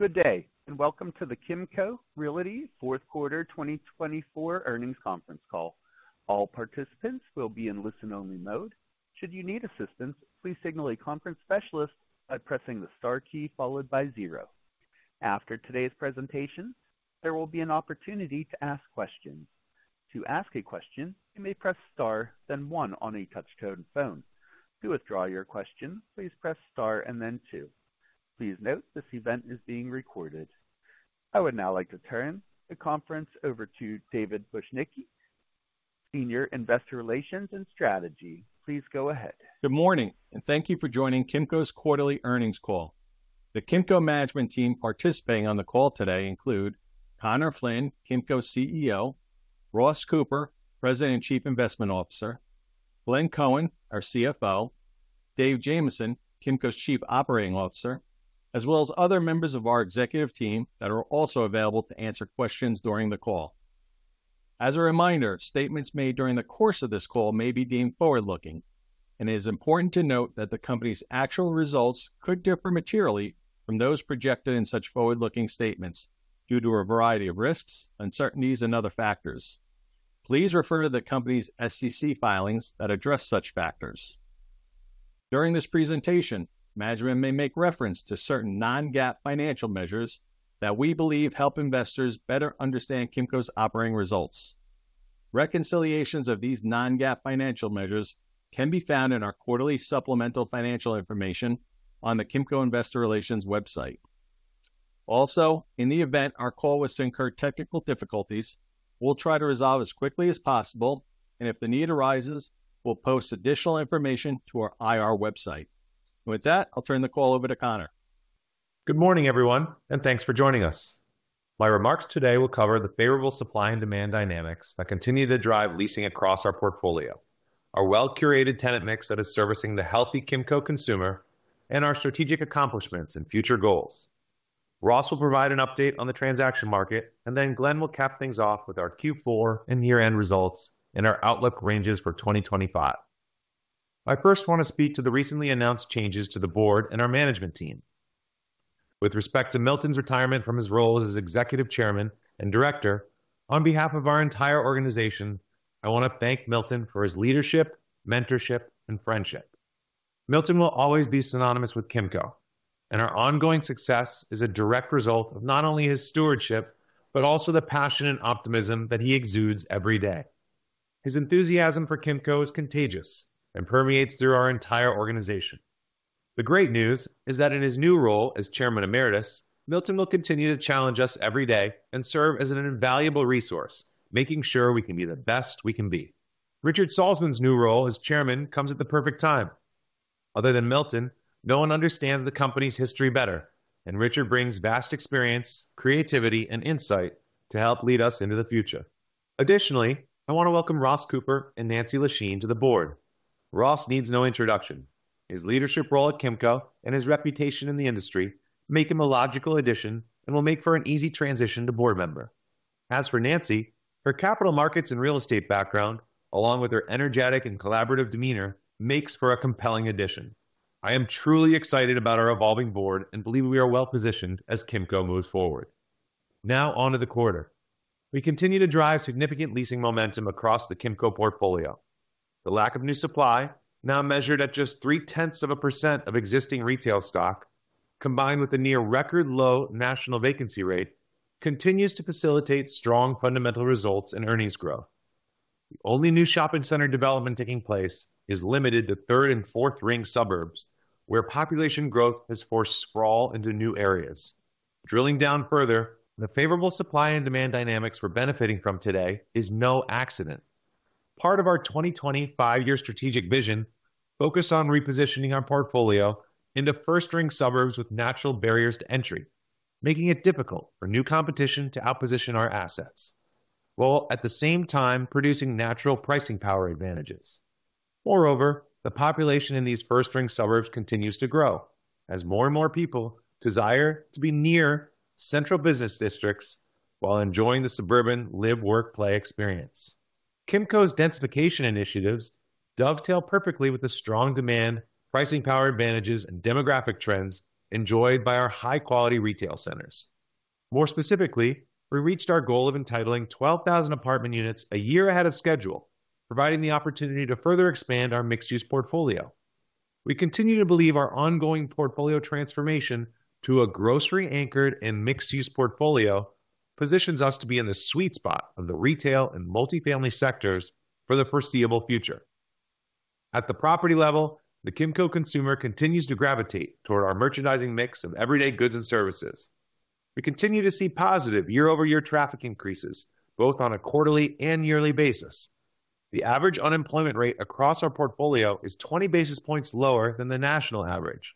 Good day, and welcome to the Kimco Realty fourth Quarter 2024 earnings conference call. All participants will be in listen-only mode. Should you need assistance, please signal a conference specialist by pressing the star key followed by zero. After today's presentation, there will be an opportunity to ask questions. To ask a question, you may press star, then one on a touch-tone phone. To withdraw your question, please press star and then two. Please note this event is being recorded. I would now like to turn the conference over to David Bujnicki, Senior Investor Relations and Strategy. Please go ahead. Good morning, and thank you for joining Kimco's Quarterly Earnings Call. The Kimco Management Team participating on the call today include Conor Flynn, Kimco's CEO, Ross Cooper, President and Chief Investment Officer, Glenn Cohen, our CFO, Dave Jamieson, Kimco's Chief Operating Officer, as well as other members of our executive team that are also available to answer questions during the call. As a reminder, statements made during the course of this call may be deemed forward-looking, and it is important to note that the company's actual results could differ materially from those projected in such forward-looking statements due to a variety of risks, uncertainties, and other factors. Please refer to the company's SEC filings that address such factors. During this presentation, management may make reference to certain non-GAAP financial measures that we believe help investors better understand Kimco's operating results. Reconciliations of these non-GAAP financial measures can be found in our Quarterly Supplemental Financial Information on the Kimco Investor Relations website. Also, in the event our call was to incur technical difficulties, we'll try to resolve as quickly as possible, and if the need arises, we'll post additional information to our IR website. With that, I'll turn the call over to Conor. Good morning, everyone, and thanks for joining us. My remarks today will cover the favorable supply and demand dynamics that continue to drive leasing across our portfolio, our well-curated tenant mix that is servicing the healthy Kimco consumer, and our strategic accomplishments and future goals. Ross will provide an update on the transaction market, and then Glenn will cap things off with our Q4 and year-end results and our outlook ranges for 2025. I first want to speak to the recently announced changes to the board and our management team. With respect to Milton's retirement from his role as Executive Chairman and Director, on behalf of our entire organization, I want to thank Milton for his leadership, mentorship, and friendship. Milton will always be synonymous with Kimco, and our ongoing success is a direct result of not only his stewardship but also the passion and optimism that he exudes every day. His enthusiasm for Kimco is contagious and permeates through our entire organization. The great news is that in his new role as Chairman Emeritus, Milton will continue to challenge us every day and serve as an invaluable resource, making sure we can be the best we can be. Richard Saltzman's new role as Chairman comes at the perfect time. Other than Milton, no one understands the company's history better, and Richard brings vast experience, creativity, and insight to help lead us into the future. Additionally, I want to welcome Ross Cooper and Nancy Lashine to the board. Ross needs no introduction. His leadership role at Kimco and his reputation in the industry make him a logical addition and will make for an easy transition to board member. As for Nancy, her capital markets and real estate background, along with her energetic and collaborative demeanor, make for a compelling addition. I am truly excited about our evolving board and believe we are well-positioned as Kimco moves forward. Now, on to the quarter. We continue to drive significant leasing momentum across the Kimco portfolio. The lack of new supply, now measured at just 0.3% of existing retail stock, combined with the near-record low national vacancy rate, continues to facilitate strong fundamental results and earnings growth. The only new shopping center development taking place is limited to third and fourth-ring suburbs, where population growth has forced sprawl into new areas. Drilling down further, the favorable supply and demand dynamics we're benefiting from today is no accident. Part of our 2020 five-year strategic vision focused on repositioning our portfolio into first-ring suburbs with natural barriers to entry, making it difficult for new competition to outposition our assets, while at the same time producing natural pricing power advantages. Moreover, the population in these first-ring suburbs continues to grow as more and more people desire to be near central business districts while enjoying the suburban live, work, play experience. Kimco's densification initiatives dovetail perfectly with the strong demand, pricing power advantages, and demographic trends enjoyed by our high-quality retail centers. More specifically, we reached our goal of entitling 12,000 apartment units a year ahead of schedule, providing the opportunity to further expand our mixed-use portfolio. We continue to believe our ongoing portfolio transformation to a grocery-anchored and mixed-use portfolio positions us to be in the sweet spot of the retail and multifamily sectors for the foreseeable future. At the property level, the Kimco consumer continues to gravitate toward our merchandising mix of everyday goods and services. We continue to see positive year-over-year traffic increases, both on a quarterly and yearly basis. The average unemployment rate across our portfolio is 20 basis points lower than the national average.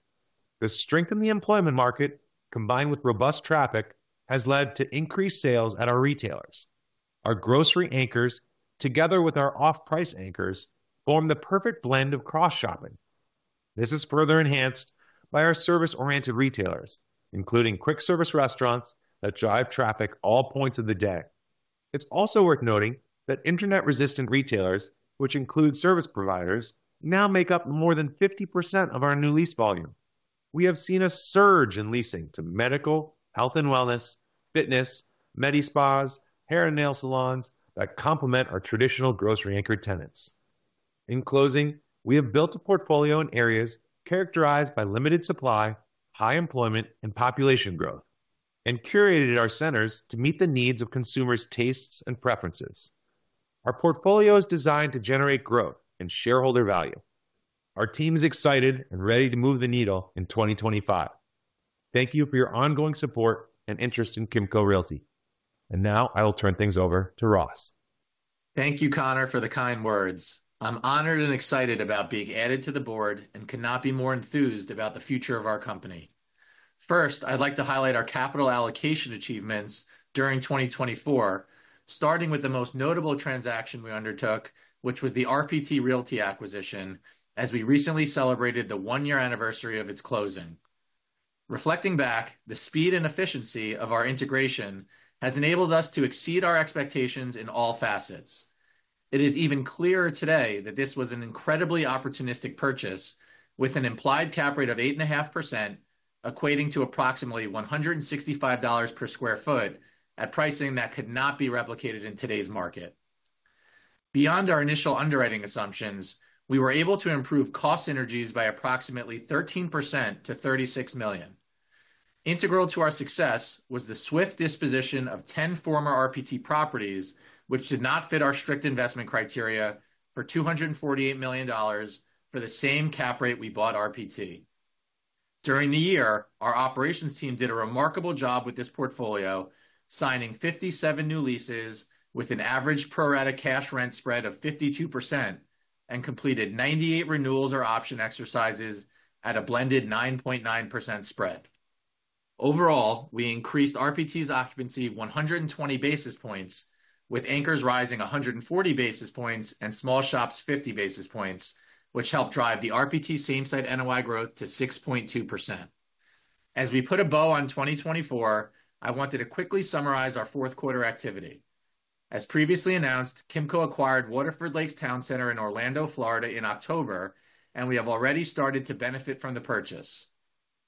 The strength in the employment market, combined with robust traffic, has led to increased sales at our retailers. Our grocery anchors, together with our off-price anchors, form the perfect blend of cross-shopping. This is further enhanced by our service-oriented retailers, including quick-service restaurants that drive traffic all points of the day. It's also worth noting that internet-resistant retailers, which include service providers, now make up more than 50% of our new lease volume. We have seen a surge in leasing to medical, health and wellness, fitness, medi-spas, hair and nail salons that complement our traditional grocery-anchored tenants. In closing, we have built a portfolio in areas characterized by limited supply, high employment, and population growth, and curated our centers to meet the needs of consumers' tastes and preferences. Our portfolio is designed to generate growth and shareholder value. Our team is excited and ready to move the needle in 2025. Thank you for your ongoing support and interest in Kimco Realty. And now, I will turn things over to Ross. Thank you, Conor, for the kind words. I'm honored and excited about being added to the board and cannot be more enthused about the future of our company. First, I'd like to highlight our capital allocation achievements during 2024, starting with the most notable transaction we undertook, which was the RPT Realty acquisition, as we recently celebrated the one-year anniversary of its closing. Reflecting back, the speed and efficiency of our integration has enabled us to exceed our expectations in all facets. It is even clearer today that this was an incredibly opportunistic purchase, with an implied cap rate of 8.5%, equating to approximately $165 per square foot at pricing that could not be replicated in today's market. Beyond our initial underwriting assumptions, we were able to improve cost synergies by approximately 13% to $36 million. Integral to our success was the swift disposition of 10 former RPT properties, which did not fit our strict investment criteria, for $248 million for the same cap rate we bought RPT. During the year, our operations team did a remarkable job with this portfolio, signing 57 new leases with an average pro-rata cash rent spread of 52% and completed 98 renewals or option exercises at a blended 9.9% spread. Overall, we increased RPT's occupancy 120 basis points, with anchors rising 140 basis points and small shops 50 basis points, which helped drive the RPT same-site NOI growth to 6.2%. As we put a bow on 2024, I wanted to quickly summarize our fourth quarter activity. As previously announced, Kimco acquired Waterford Lakes Town Center in Orlando, Florida, in October, and we have already started to benefit from the purchase.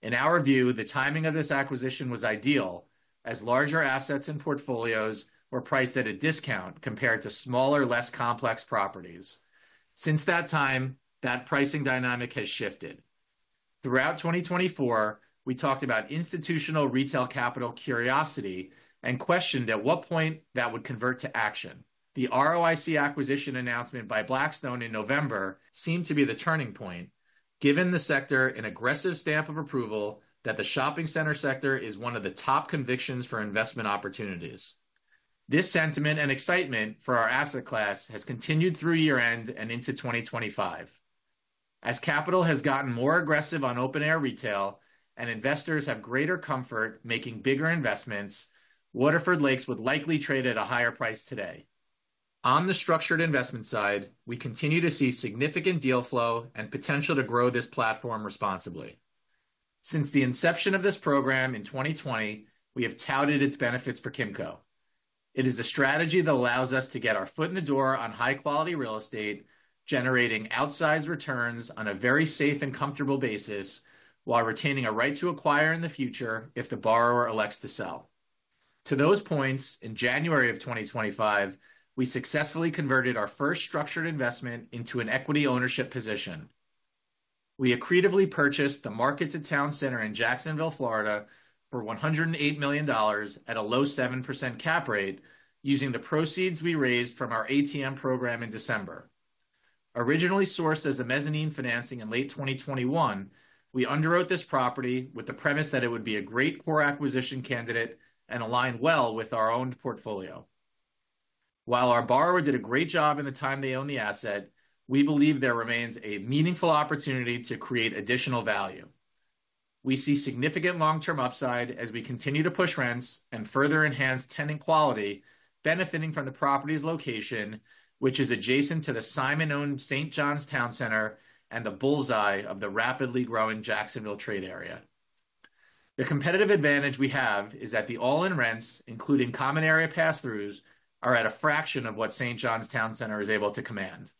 In our view, the timing of this acquisition was ideal, as larger assets and portfolios were priced at a discount compared to smaller, less complex properties. Since that time, that pricing dynamic has shifted. Throughout 2024, we talked about institutional retail capital curiosity and questioned at what point that would convert to action. The ROIC acquisition announcement by Blackstone in November seemed to be the turning point, giving the sector an aggressive stamp of approval that the shopping center sector is one of the top convictions for investment opportunities. This sentiment and excitement for our asset class has continued through year-end and into 2025. As capital has gotten more aggressive on open-air retail and investors have greater comfort making bigger investments, Waterford Lakes would likely trade at a higher price today. On the structured investment side, we continue to see significant deal flow and potential to grow this platform responsibly. Since the inception of this program in 2020, we have touted its benefits for Kimco. It is a strategy that allows us to get our foot in the door on high-quality real estate, generating outsized returns on a very safe and comfortable basis while retaining a right to acquire in the future if the borrower elects to sell. To those points, in January of 2025, we successfully converted our first structured investment into an equity ownership position. We accretively purchased the Markets at Town Center in Jacksonville, Florida, for $108 million at a low 7% cap rate using the proceeds we raised from our ATM program in December. Originally sourced as a mezzanine financing in late 2021, we underwrote this property with the premise that it would be a great core acquisition candidate and align well with our owned portfolio. While our borrower did a great job in the time they own the asset, we believe there remains a meaningful opportunity to create additional value. We see significant long-term upside as we continue to push rents and further enhance tenant quality, benefiting from the property's location, which is adjacent to the Simon-owned St. Johns Town Center and the bullseye of the rapidly growing Jacksonville trade area. The competitive advantage we have is that the all-in rents, including common area pass-throughs, are at a fraction of what St. Johns Town Center is able to command.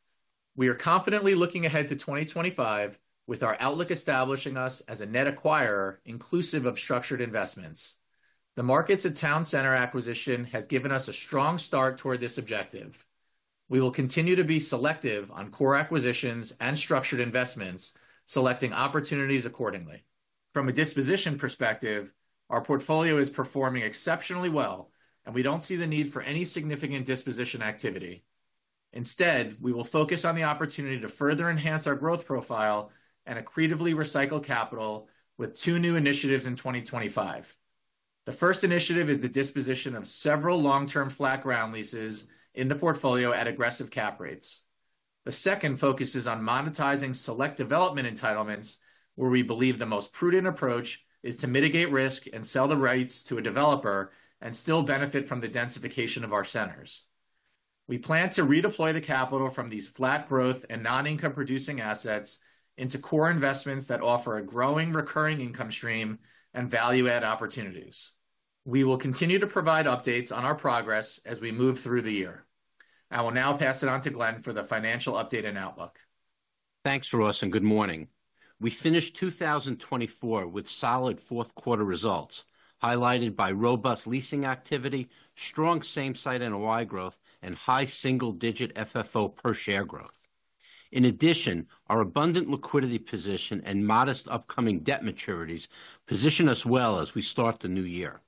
We are confidently looking ahead to 2025, with our outlook establishing us as a net acquirer inclusive of structured investments. The Markets at Town Center acquisition has given us a strong start toward this objective. We will continue to be selective on core acquisitions and structured investments, selecting opportunities accordingly. From a disposition perspective, our portfolio is performing exceptionally well, and we don't see the need for any significant disposition activity. Instead, we will focus on the opportunity to further enhance our growth profile and accretively recycle capital with two new initiatives in 2025. The first initiative is the disposition of several long-term flat ground leases in the portfolio at aggressive cap rates. The second focuses on monetizing select development entitlements, where we believe the most prudent approach is to mitigate risk and sell the rights to a developer and still benefit from the densification of our centers. We plan to redeploy the capital from these flat growth and non-income-producing assets into core investments that offer a growing recurring income stream and value-add opportunities. We will continue to provide updates on our progress as we move through the year. I will now pass it on to Glenn for the financial update and outlook. Thanks, Ross, and good morning. We finished 2024 with solid fourth-quarter results, highlighted by robust leasing activity, strong same-site NOI growth, and high single-digit FFO per share growth. In addition, our abundant liquidity position and modest upcoming debt maturities position us well as we start the new year.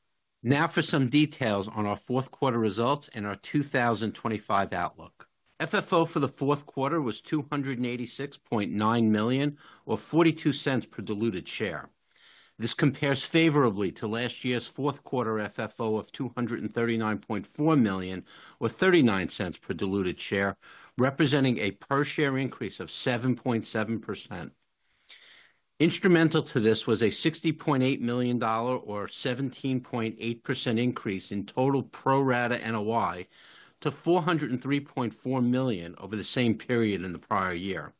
Now for some details on our fourth-quarter results and our 2025 outlook. FFO for the fourth quarter was $286.9 million, or $0.42 per diluted share. This compares favorably to last year's fourth-quarter FFO of $239.4 million, or $0.39 per diluted share, representing a per-share increase of 7.7%. Instrumental to this was a $60.8 million, or 17.8% increase in total pro-rata NOI to $403.4 million over the same period in the prior year.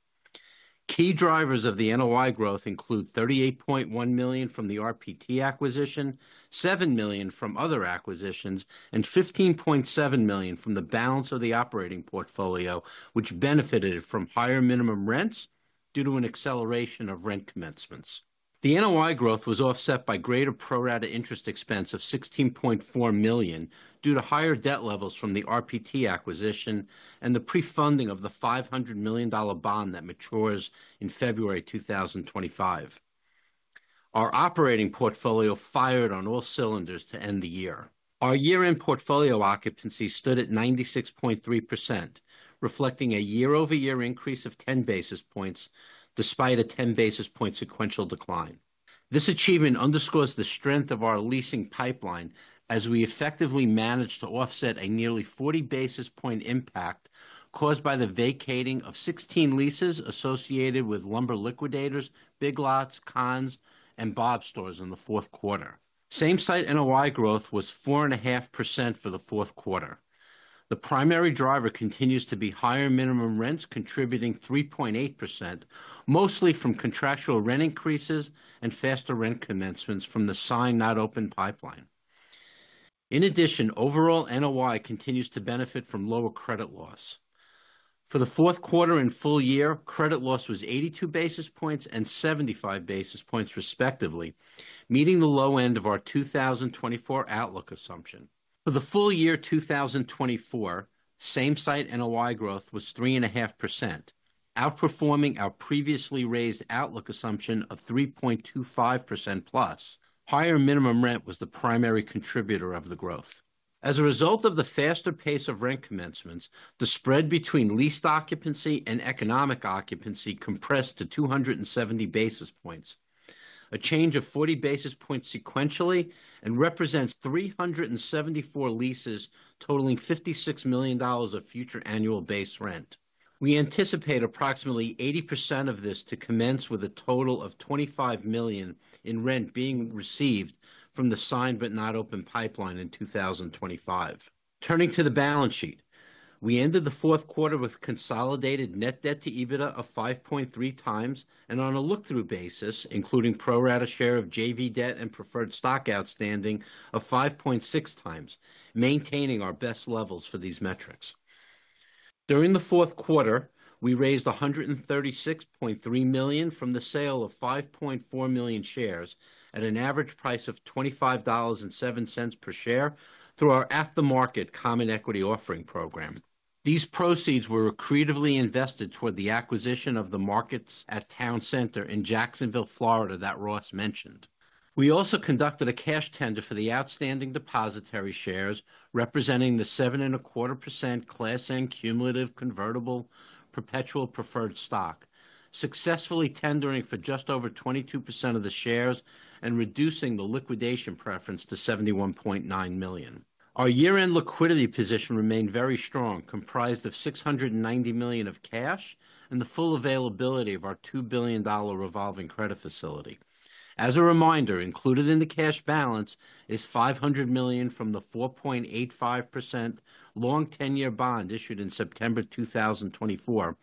Key drivers of the NOI growth include $38.1 million from the RPT acquisition, $7 million from other acquisitions, and $15.7 million from the balance of the operating portfolio, which benefited from higher minimum rents due to an acceleration of rent commencements. The NOI growth was offset by greater pro-rata interest expense of $16.4 million due to higher debt levels from the RPT acquisition and the pre-funding of the $500 million bond that matures in February 2025. Our operating portfolio fired on all cylinders to end the year. Our year-end portfolio occupancy stood at 96.3%, reflecting a year-over-year increase of 10 basis points despite a 10-basis-point sequential decline. This achievement underscores the strength of our leasing pipeline as we effectively managed to offset a nearly 40-basis-point impact caused by the vacating of 16 leases associated with Lumber Liquidators, Big Lots, Conn's, and Bob's Stores in the fourth quarter. Same-site NOI growth was 4.5% for the fourth quarter. The primary driver continues to be higher minimum rents contributing 3.8%, mostly from contractual rent increases and faster rent commencements from the signed-not-open pipeline. In addition, overall NOI continues to benefit from lower credit loss. For the fourth quarter and full year, credit loss was 82 basis points and 75 basis points respectively, meeting the low end of our 2024 outlook assumption. For the full year 2024, same-site NOI growth was 3.5%, outperforming our previously raised outlook assumption of 3.25%+. Higher minimum rent was the primary contributor of the growth. As a result of the faster pace of rent commencements, the spread between leased occupancy and economic occupancy compressed to 270 basis points, a change of 40 basis points sequentially, and represents 374 leases totaling $56 million of future annual base rent. We anticipate approximately 80% of this to commence with a total of $25 million in rent being received from the signed but not open pipeline in 2025. Turning to the balance sheet, we ended the fourth quarter with consolidated net debt to EBITDA of 5.3x and on a look-through basis, including pro-rata share of JV debt and preferred stock outstanding of 5.6x, maintaining our best levels for these metrics. During the fourth quarter, we raised $136.3 million from the sale of 5.4 million shares at an average price of $25.07 per share through our at-the-market common equity offering program. These proceeds were accretively invested toward the acquisition of the Markets at Town Center in Jacksonville, Florida, that Ross mentioned. We also conducted a cash tender for the outstanding depositary shares representing the 7.25% Class L cumulative convertible perpetual preferred stock, successfully tendering for just over 22% of the shares and reducing the liquidation preference to $71.9 million. Our year-end liquidity position remained very strong, comprised of $690 million of cash and the full availability of our $2 billion revolving credit facility. As a reminder, included in the cash balance is $500 million from the 4.85% long 10-year bond issued in September 2024,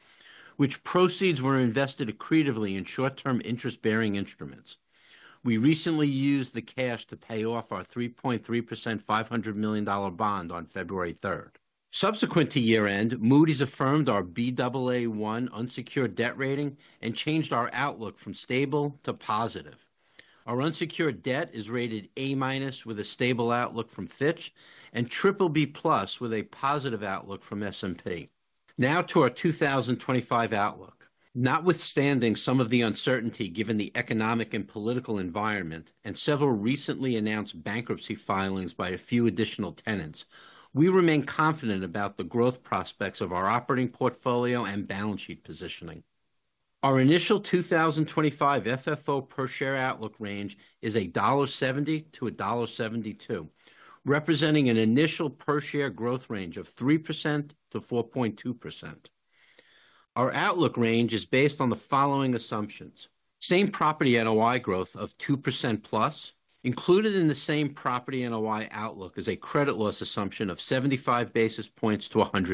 which proceeds were invested accretively in short-term interest-bearing instruments. We recently used the cash to pay off our 3.3% $500 million bond on February 3rd. Subsequent to year-end, Moody's affirmed our Baa1 unsecured debt rating and changed our outlook from stable to positive. Our unsecured debt is rated A- with a stable outlook from Fitch and BBB+ with a positive outlook from S&P. Now to our 2025 outlook. Notwithstanding some of the uncertainty given the economic and political environment and several recently announced bankruptcy filings by a few additional tenants, we remain confident about the growth prospects of our operating portfolio and balance sheet positioning. Our initial 2025 FFO per share outlook range is $1.70-$1.72, representing an initial per-share growth range of 3%-4.2%. Our outlook range is based on the following assumptions: same property NOI growth of 2%+. Included in the same property NOI outlook is a credit loss assumption of 75-100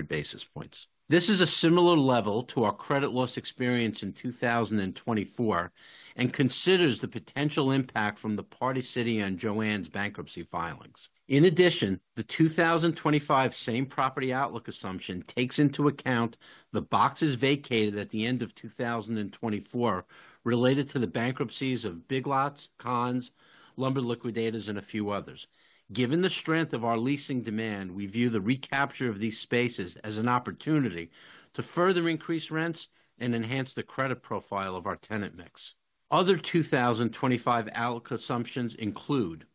basis points. This is a similar level to our credit loss experience in 2024 and considers the potential impact from the Party City and JOANN's bankruptcy filings. In addition, the 2025 same property outlook assumption takes into account the boxes vacated at the end of 2024 related to the bankruptcies of Big Lots, Conn's, Lumber Liquidators, and a few others. Given the strength of our leasing demand, we view the recapture of these spaces as an opportunity to further increase rents and enhance the credit profile of our tenant mix. Other 2025 outlook assumptions include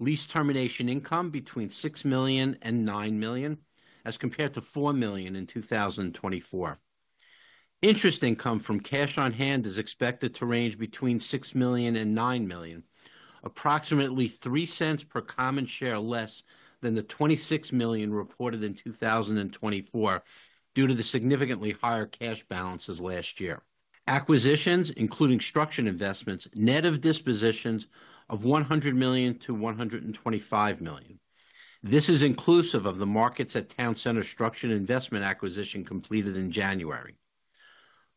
lease termination income between $6 million and $9 million as compared to $4 million in 2024. Interest income from cash on hand is expected to range between $6 million and $9 million, approximately $0.03 per common share less than the $26 million reported in 2024 due to the significantly higher cash balances last year. Acquisitions, including structured investments, net of dispositions of $100 million-$125 million. This is inclusive of the Markets at Town Center structured investment acquisition completed in January.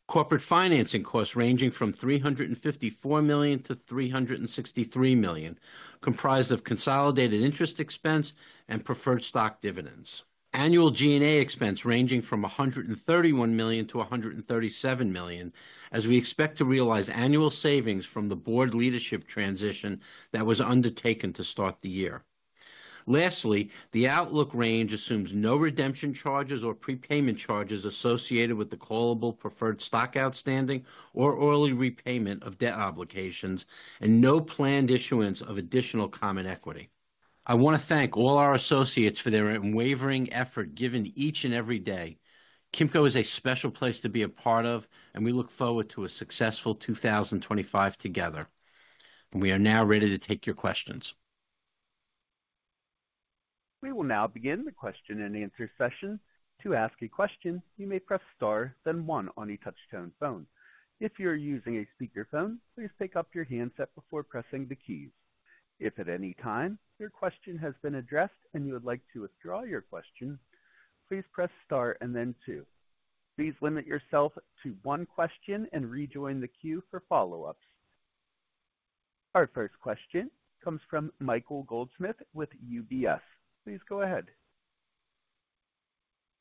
Corporate financing costs ranging from $354 million-$363 million, comprised of consolidated interest expense and preferred stock dividends. Annual G&A expense ranging from $131 million-$137 million, as we expect to realize annual savings from the board leadership transition that was undertaken to start the year. Lastly, the outlook range assumes no redemption charges or prepayment charges associated with the callable preferred stock outstanding or early repayment of debt obligations and no planned issuance of additional common equity. I want to thank all our associates for their unwavering effort given each and every day. Kimco is a special place to be a part of, and we look forward to a successful 2025 together. We are now ready to take your questions. We will now begin the question and answer session. To ask a question, you may press star, then one on a touch-tone phone. If you're using a speakerphone, please pick up your handset before pressing the keys. If at any time your question has been addressed and you would like to withdraw your question, please press star and then two. Please limit yourself to one question and rejoin the queue for follow-ups. Our first question comes from Michael Goldsmith with UBS. Please go ahead.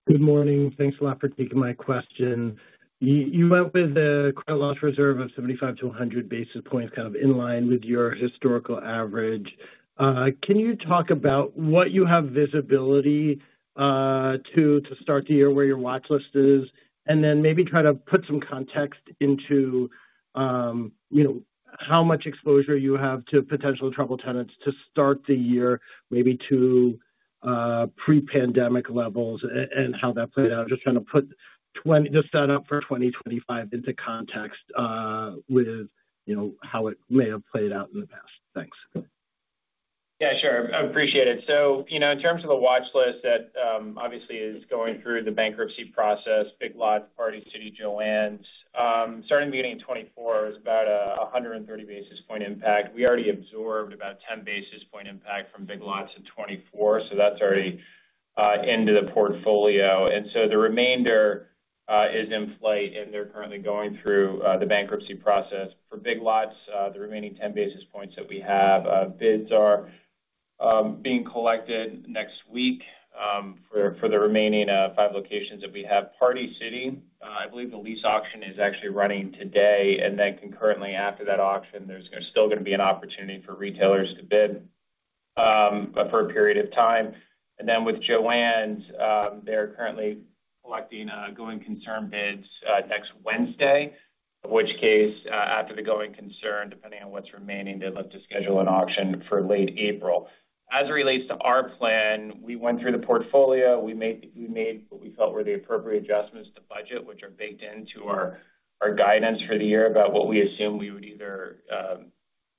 Good morning. Thanks a lot for taking my question. You went with a credit loss reserve of 75-100 basis points, kind of in line with your historical average. Can you talk about what you have visibility to start the year, where your watchlist is, and then maybe try to put some context into how much exposure you have to potential troubled tenants to start the year, maybe to pre-pandemic levels, and how that played out? Just trying to put just that up for 2025 into context with how it may have played out in the past. Thanks. Yeah, sure. I appreciate it. So, you know, in terms of the watchlist that obviously is going through the bankruptcy process, Big Lots, Party City, JOANN's, starting the beginning of 2024 is about a 130 basis points impact. We already absorbed about 10 basis points impact from Big Lots in 2024, so that's already into the portfolio. And so the remainder is in flight, and they're currently going through the bankruptcy process for Big Lots. The remaining 10 basis points that we have bids are being collected next week for the remaining five locations that we have. Party City, I believe the lease auction is actually running today, and then concurrently after that auction, there's still going to be an opportunity for retailers to bid for a period of time. And then with JOANN's, they're currently collecting going concern bids next Wednesday, in which case, after the going concern, depending on what's remaining, they'd like to schedule an auction for late April. As it relates to our plan, we went through the portfolio. We made what we felt were the appropriate adjustments to budget, which are baked into our guidance for the year about what we assume we would either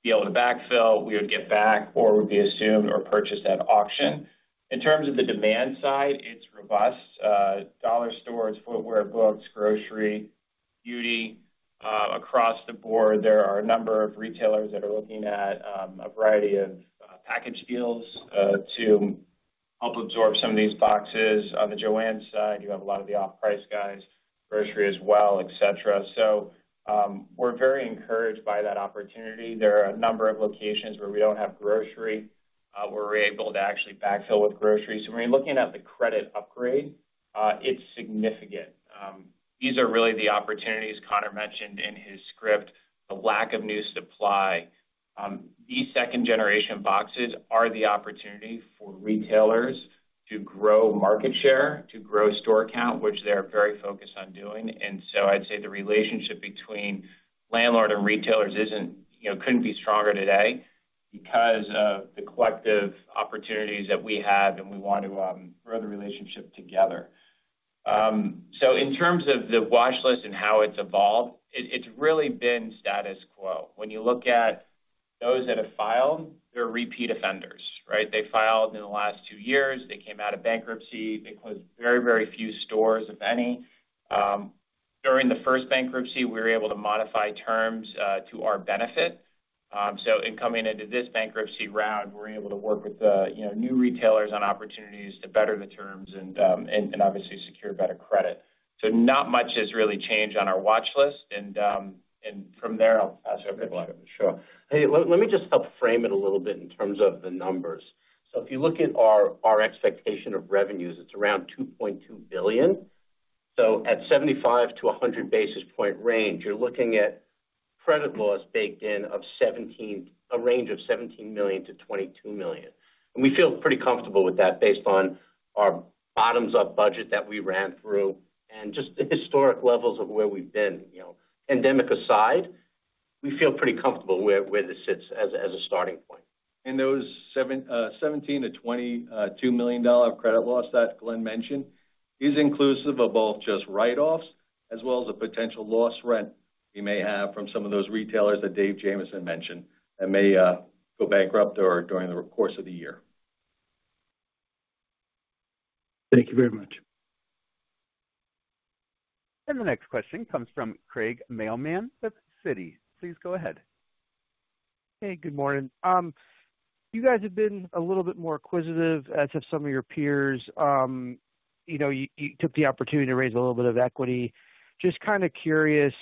be able to backfill, we would get back, or would be assumed or purchased at auction. In terms of the demand side, it's robust. Dollar store, it's footwear, books, grocery, beauty. Across the board, there are a number of retailers that are looking at a variety of package deals to help absorb some of these boxes. On the JOANN's side, you have a lot of the off-price guys, grocery as well, et cetera. So we're very encouraged by that opportunity. There are a number of locations where we don't have grocery where we're able to actually backfill with grocery. So when you're looking at the credit upgrade, it's significant. These are really the opportunities Conor mentioned in his script, the lack of new supply. These second-generation boxes are the opportunity for retailers to grow market share, to grow store count, which they're very focused on doing. And so I'd say the relationship between landlord and retailers couldn't be stronger today because of the collective opportunities that we have, and we want to grow the relationship together. So in terms of the watchlist and how it's evolved, it's really been status quo. When you look at those that have filed, they're repeat offenders, right? They filed in the last two years. They came out of bankruptcy. They closed very, very few stores, if any. During the first bankruptcy, we were able to modify terms to our benefit, so in coming into this bankruptcy round, we're able to work with new retailers on opportunities to better the terms and obviously secure better credit, so not much has really changed on our watchlist, and from there, I'll pass it over to Ross. Sure. Hey, let me just help frame it a little bit in terms of the numbers. So if you look at our expectation of revenues, it's around $2.2 billion. So at 75-100 basis point range, you're looking at credit loss baked in of a range of $17 million-$22 million. And we feel pretty comfortable with that based on our bottoms-up budget that we ran through and just the historic levels of where we've been. Pandemic aside, we feel pretty comfortable where this sits as a starting point. And those $17 million-$22 million of credit loss that Glenn mentioned is inclusive of both just write-offs as well as a potential lost rent we may have from some of those retailers that Dave Jamieson mentioned that may go bankrupt during the course of the year. Thank you very much. The next question comes from Craig Mailman with Citi. Please go ahead. Hey, good morning. You guys have been a little bit more acquisitive as have some of your peers. You took the opportunity to raise a little bit of equity. Just kind of curious,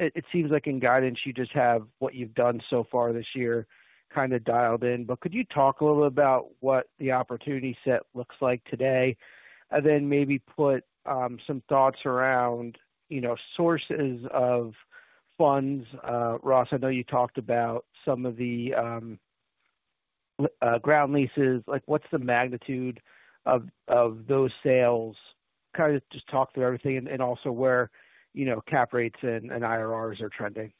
it seems like in guidance you just have what you've done so far this year kind of dialed in. But could you talk a little about what the opportunity set looks like today? And then maybe put some thoughts around sources of funds. Ross, I know you talked about some of the ground leases. What's the magnitude of those sales? Kind of just talk through everything and also where cap rates and IRRs are trending.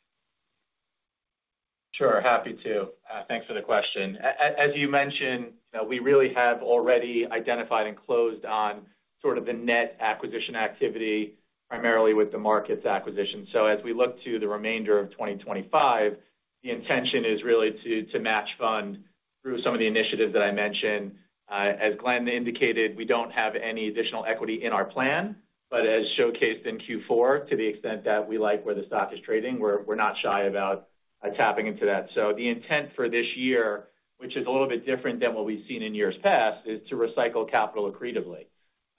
Sure. Happy to. Thanks for the question. As you mentioned, we really have already identified and closed on sort of the net acquisition activity, primarily with the markets acquisition. So as we look to the remainder of 2025, the intention is really to match fund through some of the initiatives that I mentioned. As Glenn indicated, we don't have any additional equity in our plan, but as showcased in Q4, to the extent that we like where the stock is trading, we're not shy about tapping into that. So the intent for this year, which is a little bit different than what we've seen in years past, is to recycle capital accretively.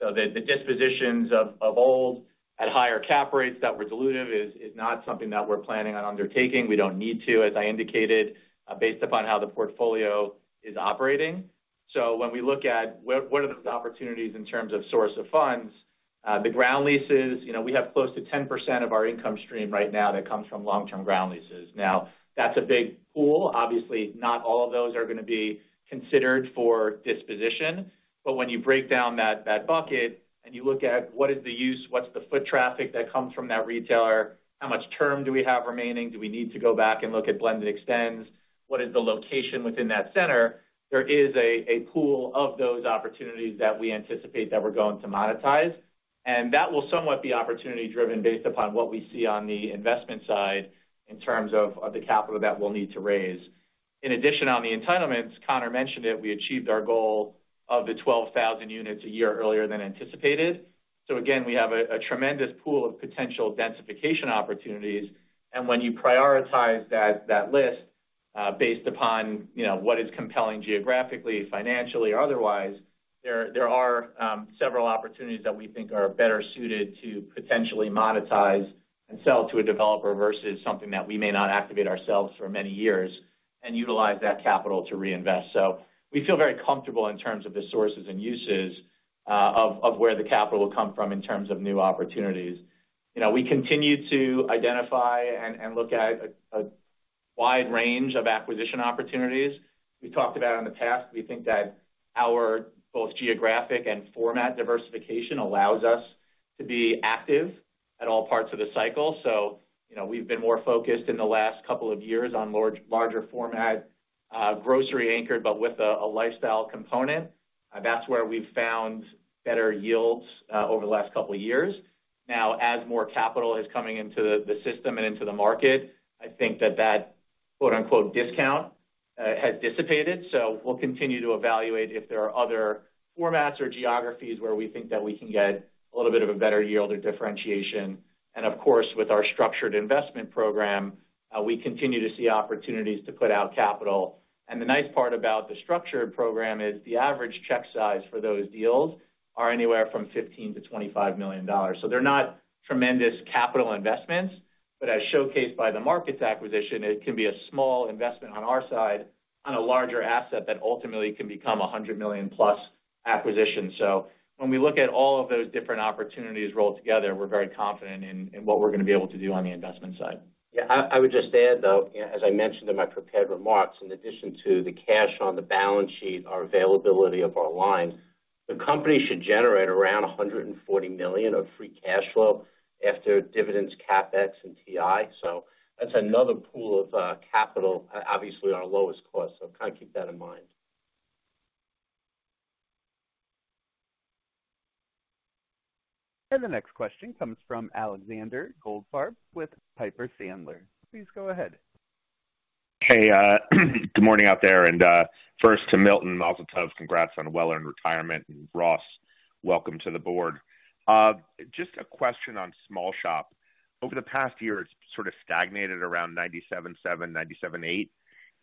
So the dispositions of old at higher cap rates that were dilutive is not something that we're planning on undertaking. We don't need to, as I indicated, based upon how the portfolio is operating. So when we look at what are those opportunities in terms of source of funds, the ground leases, we have close to 10% of our income stream right now that comes from long-term ground leases. Now, that's a big pool. Obviously, not all of those are going to be considered for disposition. But when you break down that bucket and you look at what is the use, what's the foot traffic that comes from that retailer, how much term do we have remaining? Do we need to go back and look at blended extends? What is the location within that center? There is a pool of those opportunities that we anticipate that we're going to monetize. And that will somewhat be opportunity-driven based upon what we see on the investment side in terms of the capital that we'll need to raise. In addition, on the entitlements, Conor mentioned it. We achieved our goal of the 12,000 units a year earlier than anticipated, so again, we have a tremendous pool of potential densification opportunities. And when you prioritize that list based upon what is compelling geographically, financially, or otherwise, there are several opportunities that we think are better suited to potentially monetize and sell to a developer versus something that we may not activate ourselves for many years and utilize that capital to reinvest, so we feel very comfortable in terms of the sources and uses of where the capital will come from in terms of new opportunities. We continue to identify and look at a wide range of acquisition opportunities. We talked about in the past, we think that our both geographic and format diversification allows us to be active at all parts of the cycle. So we've been more focused in the last couple of years on larger format, grocery anchored, but with a lifestyle component. That's where we've found better yields over the last couple of years. Now, as more capital is coming into the system and into the market, I think that that "discount" has dissipated. So we'll continue to evaluate if there are other formats or geographies where we think that we can get a little bit of a better yield or differentiation. And of course, with our structured investment program, we continue to see opportunities to put out capital. And the nice part about the structured program is the average check size for those deals is anywhere from $15 million-$25 million. So they're not tremendous capital investments, but as showcased by the Markets acquisition, it can be a small investment on our side on a larger asset that ultimately can become a $100+ million acquisition. So when we look at all of those different opportunities rolled together, we're very confident in what we're going to be able to do on the investment side. Yeah. I would just add, though, as I mentioned in my prepared remarks, in addition to the cash on the balance sheet or availability of our lines, the company should generate around $140 million of free cash flow after dividends, CapEx, and TI. So that's another pool of capital, obviously our lowest cost. So kind of keep that in mind. And the next question comes from Alexander Goldfarb with Piper Sandler. Please go ahead. Hey, good morning out there. And first to Milton, mazel tov, congrats on a well-earned retirement. And Ross, welcome to the board. Just a question on small shop. Over the past year, it's sort of stagnated around $97.7, $97.8.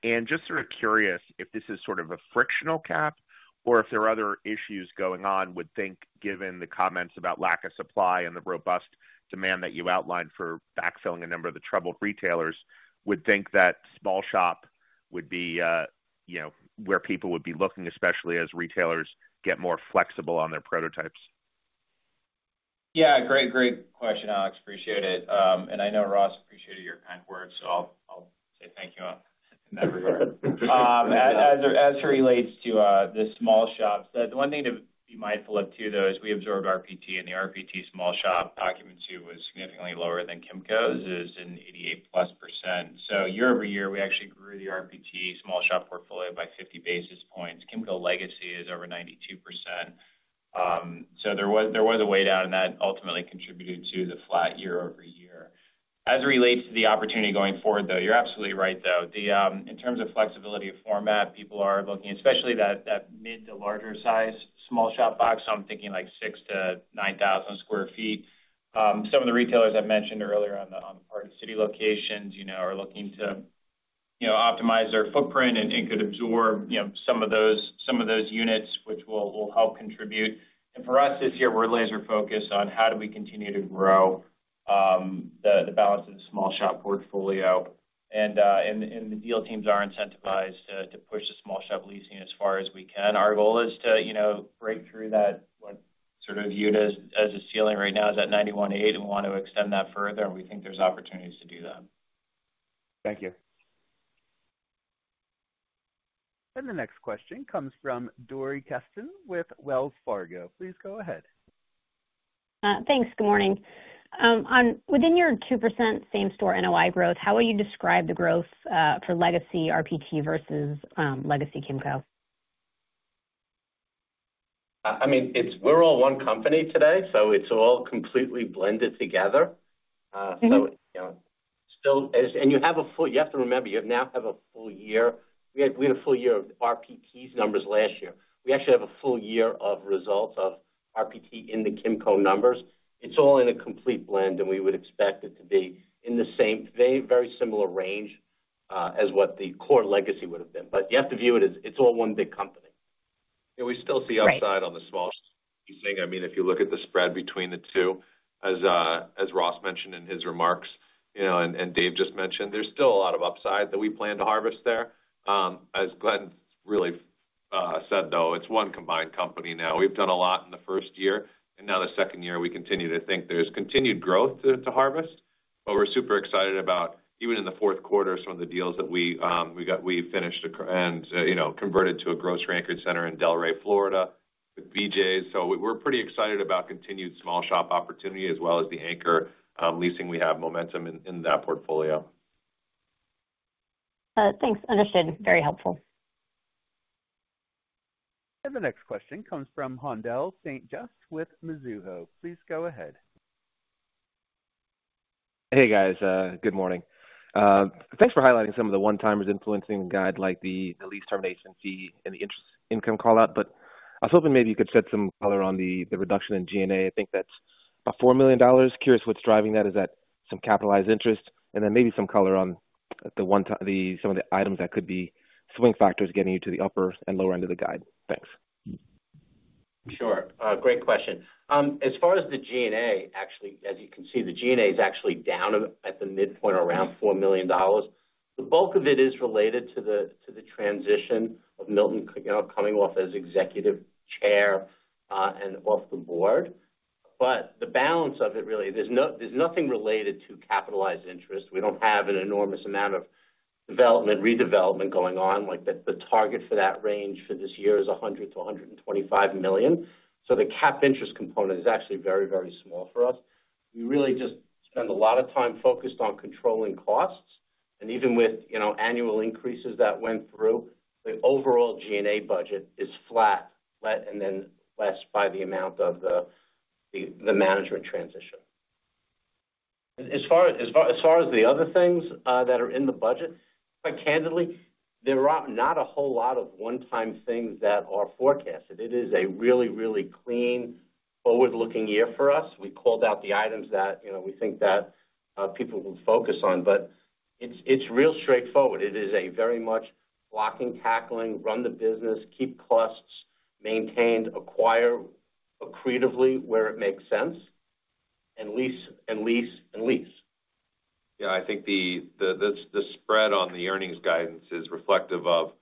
And just sort of curious if this is sort of a frictional cap or if there are other issues going on. Would think, given the comments about lack of supply and the robust demand that you outlined for backfilling a number of the troubled retailers, would think that small shop would be where people would be looking, especially as retailers get more flexible on their prototypes. Yeah. Great, great question, Alex. Appreciate it. And I know Ross appreciated your kind words, so I'll say thank you in that regard. As it relates to the small shops, the one thing to be mindful of too, though, is we absorbed RPT, and the RPT small shop occupancy was significantly lower than Kimco's, which is an 88%+. So year over year, we actually grew the RPT small shop portfolio by 50 basis points. Kimco Legacy is over 92%. So there was a way down, and that ultimately contributed to the flat year-over-year. As it relates to the opportunity going forward, though, you're absolutely right, though. In terms of flexibility of format, people are looking, especially that mid to larger size small shop box. So I'm thinking like 6,000 sq ft-9,000 sq ft. Some of the retailers I mentioned earlier on the Party City locations are looking to optimize their footprint, and it could absorb some of those units, which will help contribute. And for us this year, we're laser-focused on how do we continue to grow the balance of the small shop portfolio. And the deal teams are incentivized to push the small shop leasing as far as we can. Our goal is to break through that what's sort of viewed as a ceiling right now is at $91.8, and we want to extend that further. And we think there's opportunities to do that. Thank you. And the next question comes from Dori Keston with Wells Fargo. Please go ahead. Thanks. Good morning. Within your 2% same-store NOI growth, how would you describe the growth for Legacy RPT versus Legacy Kimco? I mean, we're all one company today, so it's all completely blended together. And you have a full—you have to remember, you now have a full year. We had a full year of RPT's numbers last year. We actually have a full year of results of RPT in the Kimco numbers. It's all in a complete blend, and we would expect it to be in the same very similar range as what the core Legacy would have been. But you have to view it as it's all one big company. Yeah. We still see upside on the small shop leasing. I mean, if you look at the spread between the two, as Ross mentioned in his remarks and Dave just mentioned, there's still a lot of upside that we plan to harvest there. As Glenn really said, though, it's one combined company now. We've done a lot in the first year, and now the second year, we continue to think there's continued growth to harvest. But we're super excited about, even in the fourth quarter, some of the deals that we finished and converted to a grocery anchored center in Delray, Florida, with BJ's. So we're pretty excited about continued small shop opportunity as well as the anchor leasing. We have momentum in that portfolio. Thanks. Understood. Very helpful. The next question comes from Haendel St. Juste with Mizuho. Please go ahead. Hey, guys. Good morning. Thanks for highlighting some of the one-timers influencing the guide like the lease termination fee and the interest income callout. But I was hoping maybe you could add some color on the reduction in G&A. I think that's about $4 million. Curious what's driving that. Is that some capitalized interest? And then maybe some color on some of the items that could be swing factors getting you to the upper and lower end of the guide. Thanks. Sure. Great question. As far as the G&A, actually, as you can see, the G&A is actually down at the midpoint around $4 million. The bulk of it is related to the transition of Milton coming off as executive chair and off the board. But the balance of it, really, there's nothing related to capitalized interest. We don't have an enormous amount of development, redevelopment going on. The target for that range for this year is $100 million-$125 million. So the cap interest component is actually very, very small for us. We really just spend a lot of time focused on controlling costs. And even with annual increases that went through, the overall G&A budget is flat and then less by the amount of the management transition. As far as the other things that are in the budget, quite candidly, there are not a whole lot of one-time things that are forecasted. It is a really, really clean, forward-looking year for us. We called out the items that we think that people will focus on. But it's real straightforward. It is very much blocking, tackling, run the business, keep costs maintained, acquire accretively where it makes sense, and lease, and lease, and lease. Yeah. I think the spread on the earnings guidance is reflective of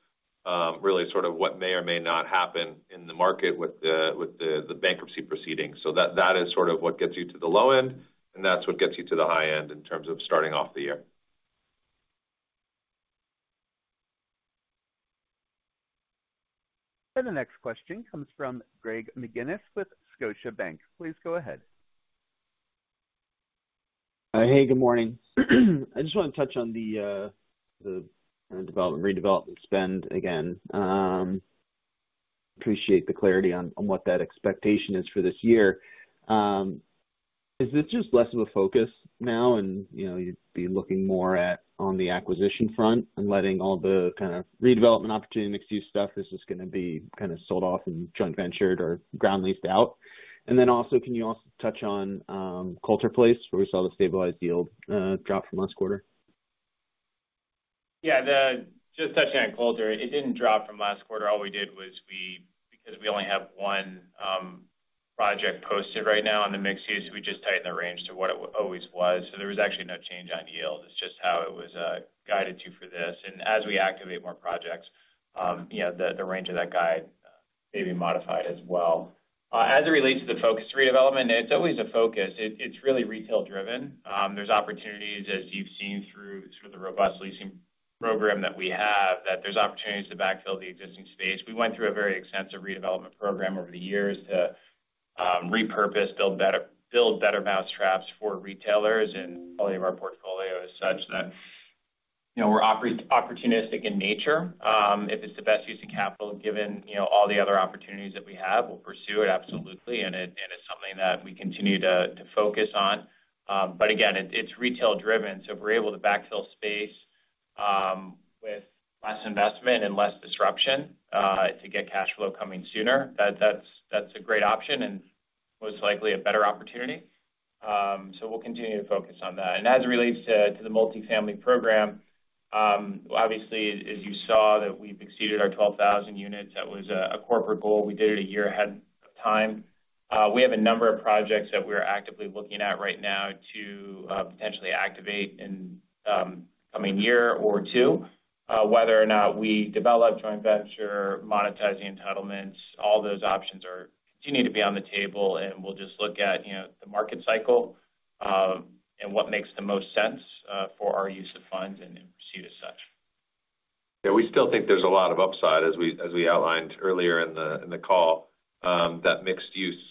really sort of what may or may not happen in the market with the bankruptcy proceedings. So that is sort of what gets you to the low end, and that's what gets you to the high end in terms of starting off the year. And the next question comes from Greg McGinniss with Scotiabank. Please go ahead. Hey, good morning. I just want to touch on the development, redevelopment spend again. Appreciate the clarity on what that expectation is for this year. Is this just less of a focus now, and you'd be looking more at on the acquisition front and letting all the kind of redevelopment opportunity mixed-use stuff? Is this going to be kind of sold off and joint ventured or ground leased out? And then also, can you also touch on Coulter Place, where we saw the stabilized yield drop from last quarter? Yeah. Just touching on Coulter, it didn't drop from last quarter. All we did was, because we only have one project posted right now on the mixed-use, we just tightened the range to what it always was. So there was actually no change on yield. It's just how it was guided to for this, and as we activate more projects, the range of that guide may be modified as well. As it relates to the focus redevelopment, it's always a focus. It's really retail-driven. There's opportunities, as you've seen through sort of the robust leasing program that we have, that there's opportunities to backfill the existing space. We went through a very extensive redevelopment program over the years to repurpose, build better mousetraps for retailers. Quality of our portfolio is such that we're opportunistic in nature. If it's the best use of capital, given all the other opportunities that we have, we'll pursue it absolutely. And it's something that we continue to focus on. But again, it's retail-driven. So if we're able to backfill space with less investment and less disruption to get cash flow coming sooner, that's a great option and most likely a better opportunity. So we'll continue to focus on that. And as it relates to the multifamily program, obviously, as you saw that we've exceeded our 12,000 units. That was a corporate goal. We did it a year ahead of time. We have a number of projects that we're actively looking at right now to potentially activate in the coming year or two. Whether or not we develop joint venture, monetizing entitlements, all those options continue to be on the table. We'll just look at the market cycle and what makes the most sense for our use of funds and proceed as such. Yeah. We still think there's a lot of upside, as we outlined earlier in the call, that mixed-use.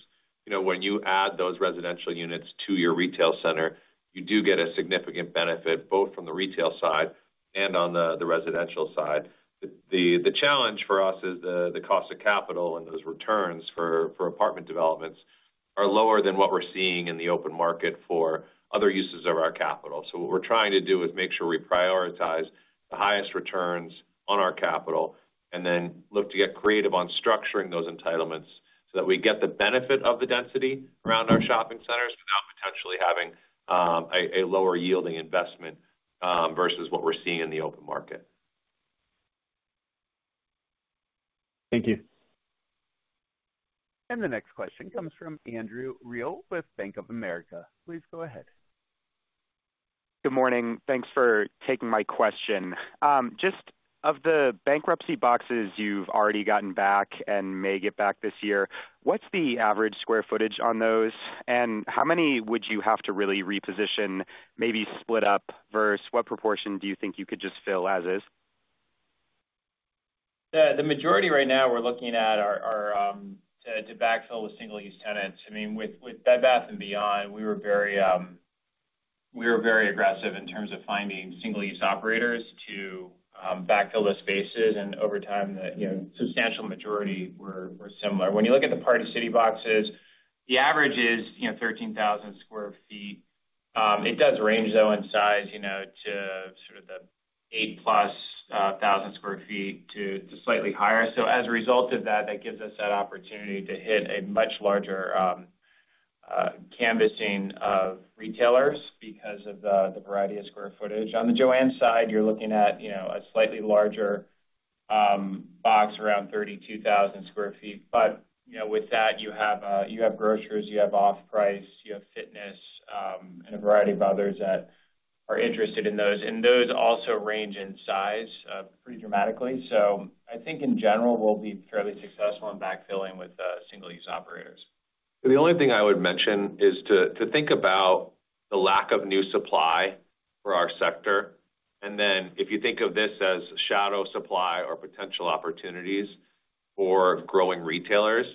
When you add those residential units to your retail center, you do get a significant benefit both from the retail side and on the residential side. The challenge for us is the cost of capital and those returns for apartment developments are lower than what we're seeing in the open market for other uses of our capital. So what we're trying to do is make sure we prioritize the highest returns on our capital and then look to get creative on structuring those entitlements so that we get the benefit of the density around our shopping centers without potentially having a lower-yielding investment versus what we're seeing in the open market. Thank you. And the next question comes from Andrew Reale with Bank of America. Please go ahead. Good morning. Thanks for taking my question. Just on the bankruptcy boxes you've already gotten back and may get back this year, what's the average square footage on those? And how many would you have to really reposition, maybe split up, versus what proportion do you think you could just fill as is? The majority right now, we're looking at to backfill with single-use tenants. I mean, with Bed Bath & Beyond, we were very aggressive in terms of finding single-use operators to backfill the spaces. And over time, the substantial majority were similar. When you look at the Party City boxes, the average is 13,000 sq ft. It does range, though, in size to sort of the 8,000+ sq ft to slightly higher. So as a result of that, that gives us that opportunity to hit a much larger canvassing of retailers because of the variety of square footage. On the JOANN's side, you're looking at a slightly larger box around 32,000 sq ft. But with that, you have grocers, you have Off-Price, you have Fitness, and a variety of others that are interested in those. And those also range in size pretty dramatically. I think, in general, we'll be fairly successful in backfilling with single-use operators. The only thing I would mention is to think about the lack of new supply for our sector. And then if you think of this as shadow supply or potential opportunities for growing retailers,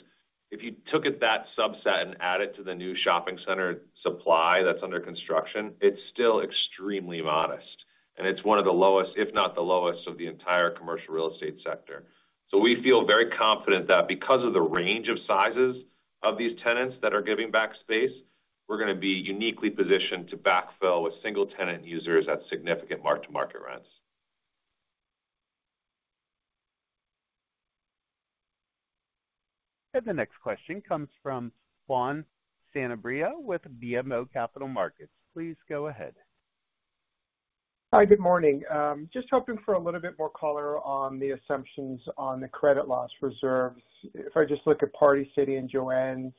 if you took that subset and added it to the new shopping center supply that's under construction, it's still extremely modest. And it's one of the lowest, if not the lowest, of the entire commercial real estate sector. So we feel very confident that because of the range of sizes of these tenants that are giving back space, we're going to be uniquely positioned to backfill with single-tenant users at significant mark-to-market rents. The next question comes from Juan Sanabria with BMO Capital Markets. Please go ahead. Hi, good morning. Just hoping for a little bit more color on the assumptions on the credit loss reserves. If I just look at Party City and JOANN's,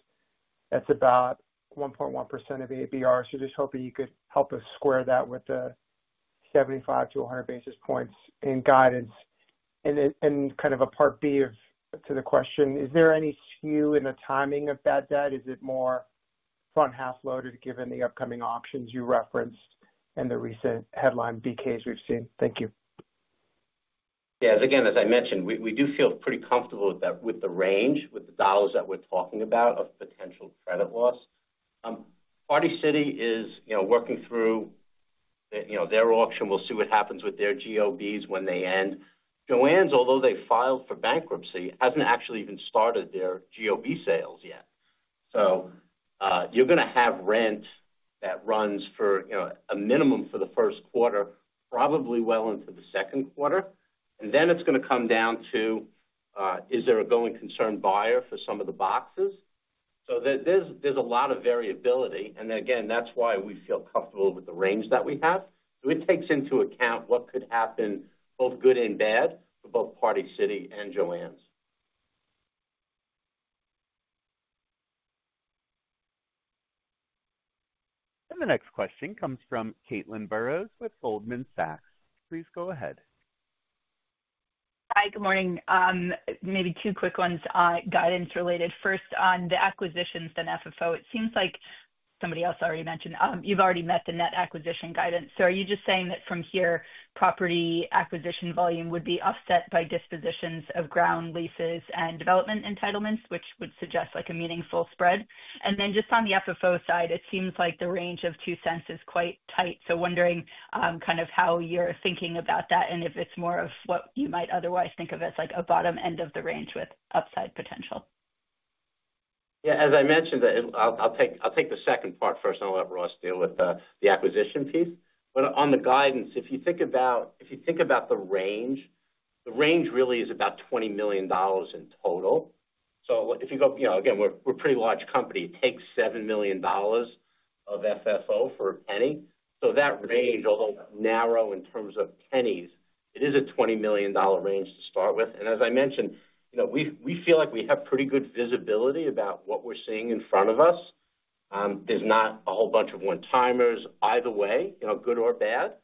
that's about 1.1% of ABR. So just hoping you could help us square that with the 75-100 basis points in guidance. And kind of a part B to the question, is there any skew in the timing of that debt? Is it more front half loaded given the upcoming options you referenced and the recent headline BKs we've seen? Thank you. Yeah. Again, as I mentioned, we do feel pretty comfortable with the range, with the dollars that we're talking about of potential credit loss. Party City is working through their auction. We'll see what happens with their GOBs when they end. JOANN's, although they filed for bankruptcy, hasn't actually even started their GOB sales yet. So you're going to have rent that runs for a minimum for the first quarter, probably well into the second quarter. And then it's going to come down to, is there a going concerned buyer for some of the boxes? So there's a lot of variability. And again, that's why we feel comfortable with the range that we have. So it takes into account what could happen, both good and bad, for both Party City and JOANN's. And the next question comes from Caitlin Burrows with Goldman Sachs. Please go ahead. Hi, good morning. Maybe two quick ones, guidance-related. First, on the acquisitions, then FFO. It seems like somebody else already mentioned you've already met the net acquisition guidance. So are you just saying that from here, property acquisition volume would be offset by dispositions of ground leases and development entitlements, which would suggest a meaningful spread? And then just on the FFO side, it seems like the range of $0.02 is quite tight. So wondering kind of how you're thinking about that and if it's more of what you might otherwise think of as a bottom end of the range with upside potential. Yeah. As I mentioned, I'll take the second part first. I'll let Ross deal with the acquisition piece. But on the guidance, if you think about the range, the range really is about $20 million in total. So if you go, again, we're a pretty large company. It takes $7 million of FFO for a penny. So that range, although narrow in terms of pennies, it is a $20 million range to start with. And as I mentioned, we feel like we have pretty good visibility about what we're seeing in front of us. There's not a whole bunch of one-timers, either way, good or bad.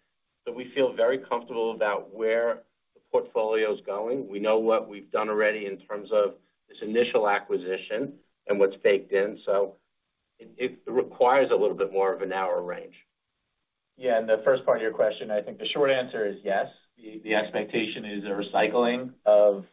So we feel very comfortable about where the portfolio is going. We know what we've done already in terms of this initial acquisition and what's baked in. So it requires a little bit more of an outer range. Yeah. The first part of your question, I think the short answer is yes. The expectation is a recycling of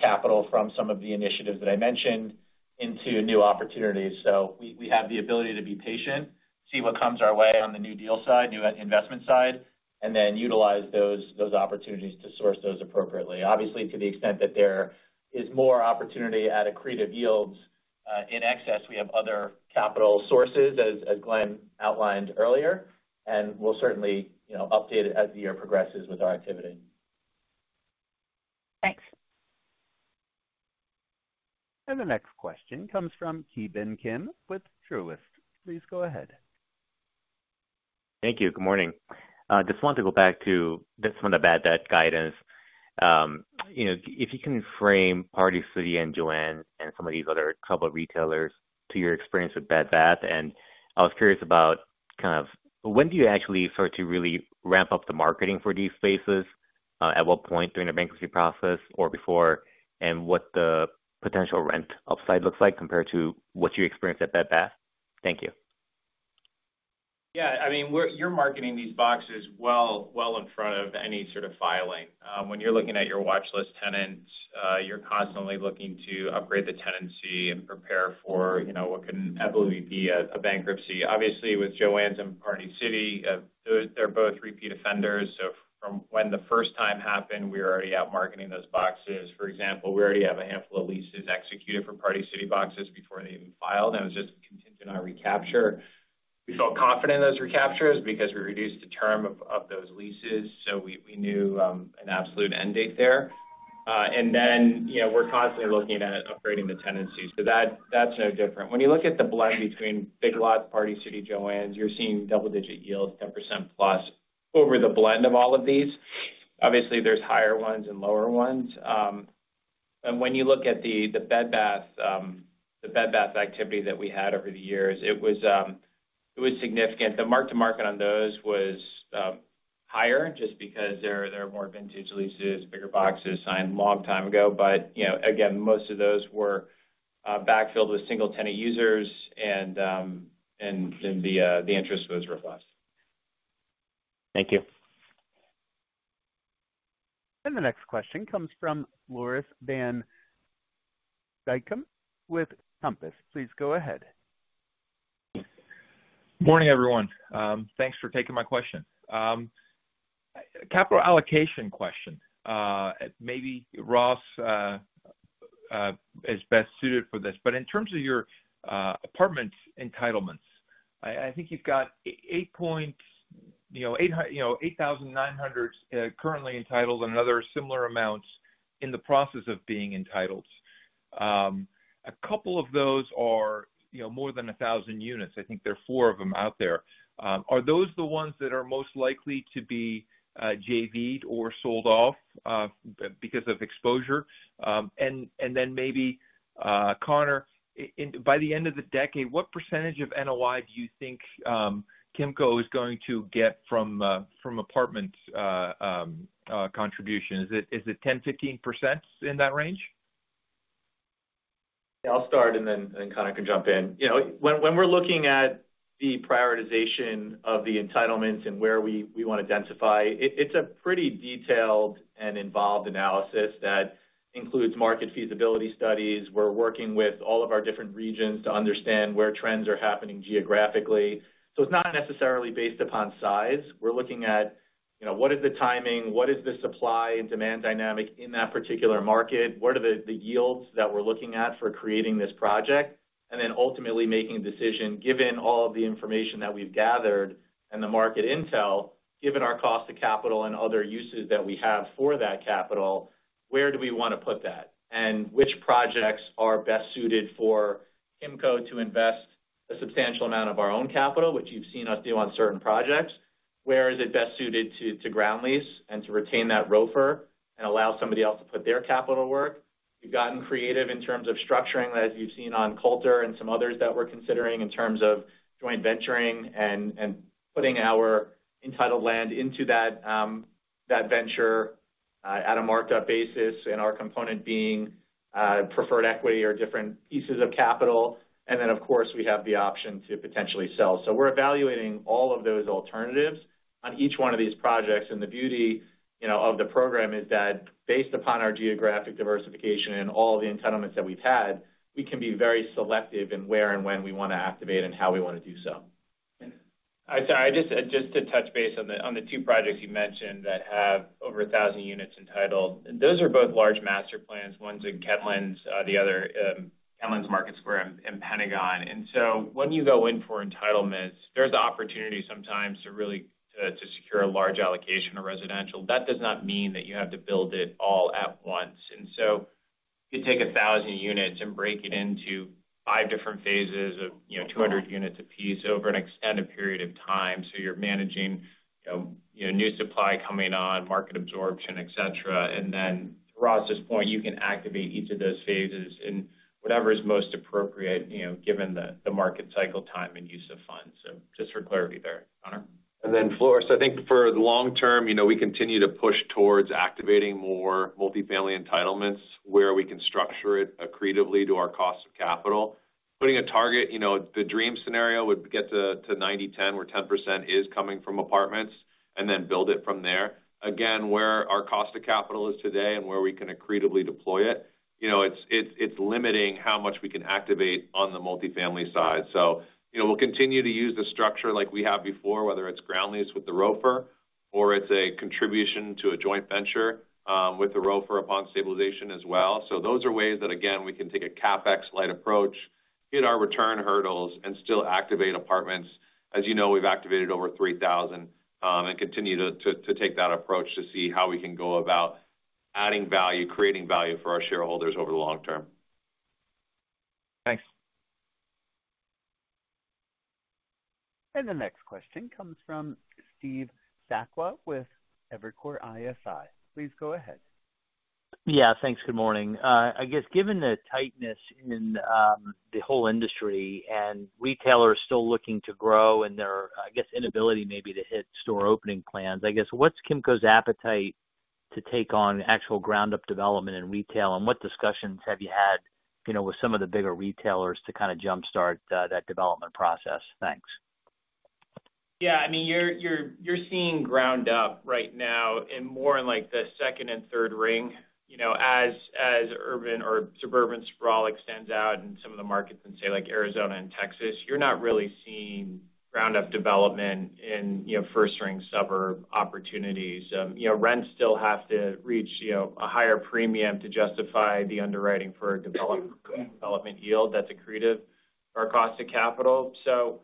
capital from some of the initiatives that I mentioned into new opportunities. We have the ability to be patient, see what comes our way on the new deal side, new investment side, and then utilize those opportunities to source those appropriately. Obviously, to the extent that there is more opportunity at accretive yields in excess, we have other capital sources, as Glenn outlined earlier, and we'll certainly update it as the year progresses with our activity. Thanks. The next question comes from Ki Bin Kim with Truist. Please go ahead. Thank you. Good morning. Just wanted to go back to some of the bad debt guidance. If you can frame Party City and JOANN's and some of these other troubled retailers to your experience with bad debt, and I was curious about kind of when do you actually start to really ramp up the marketing for these spaces? At what point during the bankruptcy process or before? And what the potential rent upside looks like compared to what's your experience at bad debt? Thank you. Yeah. I mean, you're marketing these boxes well in front of any sort of filing. When you're looking at your watchlist tenants, you're constantly looking to upgrade the tenancy and prepare for what can evolve to be a bankruptcy. Obviously, with JOANN's and Party City, they're both repeat offenders. So from when the first time happened, we were already out marketing those boxes. For example, we already have a handful of leases executed for Party City boxes before they even filed. And it was just a contingent on recapture. We felt confident in those recaptures because we reduced the term of those leases. So we knew an absolute end date there. And then we're constantly looking at upgrading the tenancies. So that's no different. When you look at the blend between Big Lots, Party City, JOANN's, you're seeing double-digit yields, 10%+ over the blend of all of these. Obviously, there's higher ones and lower ones. And when you look at the Bed Bath activity that we had over the years, it was significant. The mark-to-market on those was higher just because there are more vintage leases, bigger boxes signed a long time ago. But again, most of those were backfilled with single-tenant users, and then the interest was robust. Thank you. The next question comes from Floris Van Dijkum with Compass. Please go ahead. Morning, everyone. Thanks for taking my question. Capital allocation question. Maybe Ross is best suited for this. But in terms of your apartment entitlements, I think you've got 8,900 currently entitled and other similar amounts in the process of being entitled. A couple of those are more than 1,000 units. I think there are four of them out there. Are those the ones that are most likely to be JV'd or sold off because of exposure? And then maybe, Conor, by the end of the decade, what percentage of NOI do you think Kimco is going to get from apartment contribution? Is it 10%, 15% in that range? Yeah. I'll start, and then Conor can jump in. When we're looking at the prioritization of the entitlements and where we want to densify, it's a pretty detailed and involved analysis that includes market feasibility studies. We're working with all of our different regions to understand where trends are happening geographically. So it's not necessarily based upon size. We're looking at what is the timing, what is the supply and demand dynamic in that particular market, what are the yields that we're looking at for creating this project, and then ultimately making a decision, given all of the information that we've gathered and the market intel, given our cost of capital and other uses that we have for that capital, where do we want to put that? Which projects are best suited for Kimco to invest a substantial amount of our own capital, which you've seen us do on certain projects? Where is it best suited to ground lease and to retain that ROFR and allow somebody else to put their capital work? We've gotten creative in terms of structuring, as you've seen on Coulter and some others that we're considering in terms of joint venturing and putting our entitled land into that venture at a marked-up basis and our component being preferred equity or different pieces of capital. And then, of course, we have the option to potentially sell. We're evaluating all of those alternatives on each one of these projects. The beauty of the program is that based upon our geographic diversification and all the entitlements that we've had, we can be very selective in where and when we want to activate and how we want to do so. Sorry. Just to touch base on the two projects you mentioned that have over 1,000 units entitled, those are both large master plans, one's in Kentlands, the other Kentlands Market Square and Pentagon. When you go in for entitlements, there's opportunity sometimes to really secure a large allocation of residential. That does not mean that you have to build it all at once. You take 1,000 units and break it into five different phases of 200 units apiece over an extended period of time. You're managing new supply coming on, market absorption, etc. And then to Ross's point, you can activate each of those phases in whatever is most appropriate given the market cycle time and use of funds. So just for clarity there, Conor. And then Floris, I think for the long term, we continue to push towards activating more multifamily entitlements where we can structure it accretively to our cost of capital. Putting a target, the dream scenario would get to 90%-10%, where 10% is coming from apartments, and then build it from there. Again, where our cost of capital is today and where we can accretively deploy it, it's limiting how much we can activate on the multifamily side. So we'll continue to use the structure like we have before, whether it's ground lease with the ROFR or it's a contribution to a joint venture with the ROFR upon stabilization as well. So those are ways that, again, we can take a CapEx-light approach, hit our return hurdles, and still activate apartments. As you know, we've activated over 3,000 and continue to take that approach to see how we can go about adding value, creating value for our shareholders over the long term. Thanks. The next question comes from Steve Sakwa with Evercore ISI. Please go ahead. Yeah. Thanks. Good morning. I guess given the tightness in the whole industry and retailers still looking to grow and their, I guess, inability maybe to hit store opening plans, I guess, what's Kimco's appetite to take on actual ground-up development in retail? And what discussions have you had with some of the bigger retailers to kind of jump-start that development process? Thanks. Yeah. I mean, you're seeing ground-up right now and more in the second and third ring. As urban or suburban sprawl extends out in some of the markets in, say, Arizona and Texas, you're not really seeing ground-up development in first-ring suburb opportunities. Rents still have to reach a higher premium to justify the underwriting for a development yield that's accretive to our cost of capital. So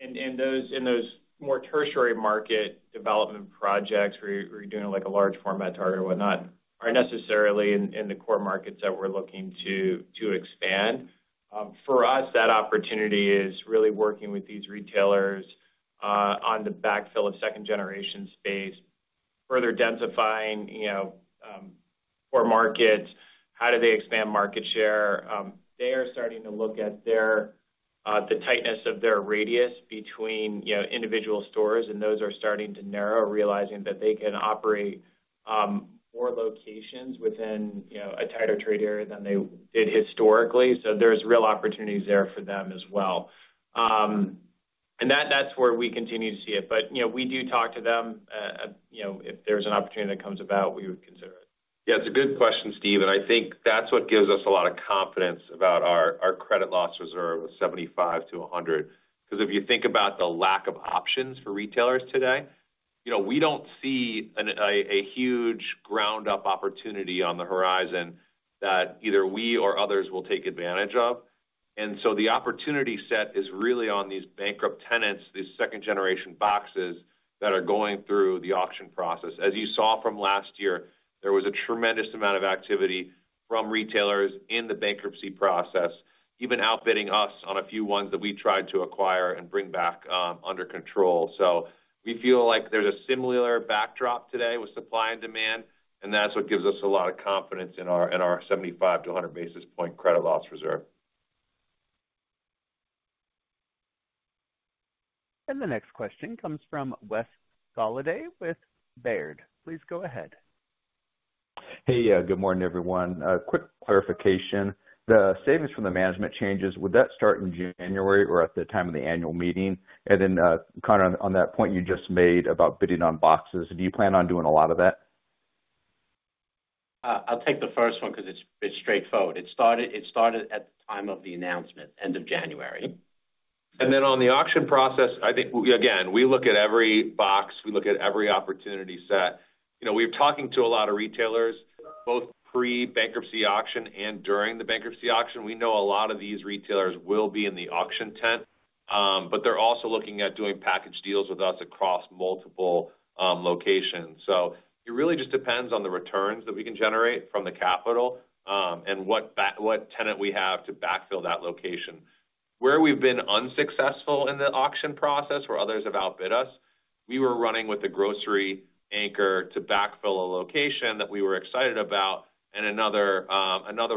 in those more tertiary market development projects where you're doing a large-format target or whatnot aren't necessarily in the core markets that we're looking to expand. For us, that opportunity is really working with these retailers on the backfill of second-generation space, further densifying core markets. How do they expand market share? They are starting to look at the tightness of their radius between individual stores, and those are starting to narrow, realizing that they can operate more locations within a tighter trade area than they did historically. So there's real opportunities there for them as well. And that's where we continue to see it. But we do talk to them. If there's an opportunity that comes about, we would consider it. Yeah. It's a good question, Steve. And I think that's what gives us a lot of confidence about our credit loss reserve of 75-100. Because if you think about the lack of options for retailers today, we don't see a huge ground-up opportunity on the horizon that either we or others will take advantage of. And so the opportunity set is really on these bankrupt tenants, these second-generation boxes that are going through the auction process. As you saw from last year, there was a tremendous amount of activity from retailers in the bankruptcy process, even outbidding us on a few ones that we tried to acquire and bring back under control. So we feel like there's a similar backdrop today with supply and demand, and that's what gives us a lot of confidence in our 75-100 basis point credit loss reserve. The next question comes from Wes Golladay with Baird. Please go ahead. Hey, good morning, everyone. Quick clarification. The savings from the management changes, would that start in January or at the time of the annual meeting? And then, Conor, on that point you just made about bidding on boxes, do you plan on doing a lot of that? I'll take the first one because it's straightforward. It started at the time of the announcement, end of January. And then on the auction process, I think, again, we look at every box. We look at every opportunity set. We're talking to a lot of retailers, both pre-bankruptcy auction and during the bankruptcy auction. We know a lot of these retailers will be in the auction tent, but they're also looking at doing package deals with us across multiple locations. So it really just depends on the returns that we can generate from the capital and what tenant we have to backfill that location. Where we've been unsuccessful in the auction process, where others have outbid us, we were running with a grocery anchor to backfill a location that we were excited about. And another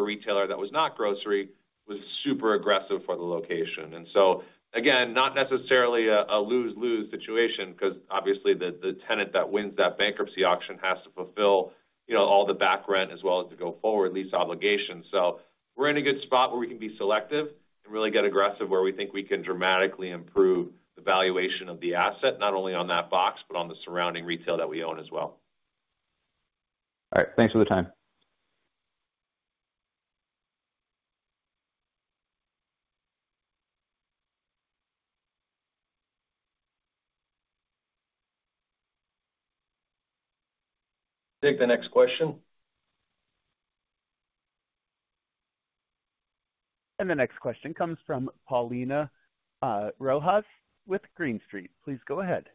retailer that was not grocery was super aggressive for the location. And so, again, not necessarily a lose-lose situation because obviously the tenant that wins that bankruptcy auction has to fulfill all the back rent as well as the go forward lease obligations. So we're in a good spot where we can be selective and really get aggressive where we think we can dramatically improve the valuation of the asset, not only on that box, but on the surrounding retail that we own as well. All right. Thanks for the time. Take the next question. The next question comes from Paulina Rojas with Green Street. Please go ahead.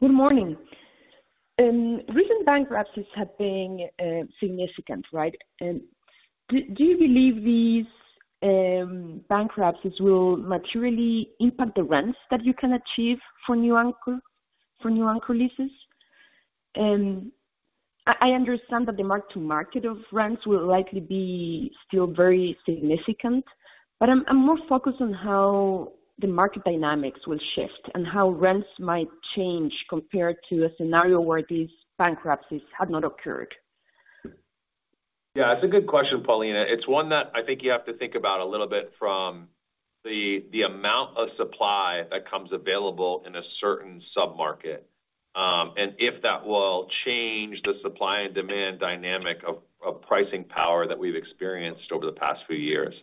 Good morning. Recent bankruptcies have been significant, right? And do you believe these bankruptcies will materially impact the rents that you can achieve for new-anchor leases? I understand that the mark-to-market of rents will likely be still very significant, but I'm more focused on how the market dynamics will shift and how rents might change compared to a scenario where these bankruptcies had not occurred. Yeah. It's a good question, Paulina. It's one that I think you have to think about a little bit from the amount of supply that comes available in a certain submarket and if that will change the supply and demand dynamic of pricing power that we've experienced over the past few years.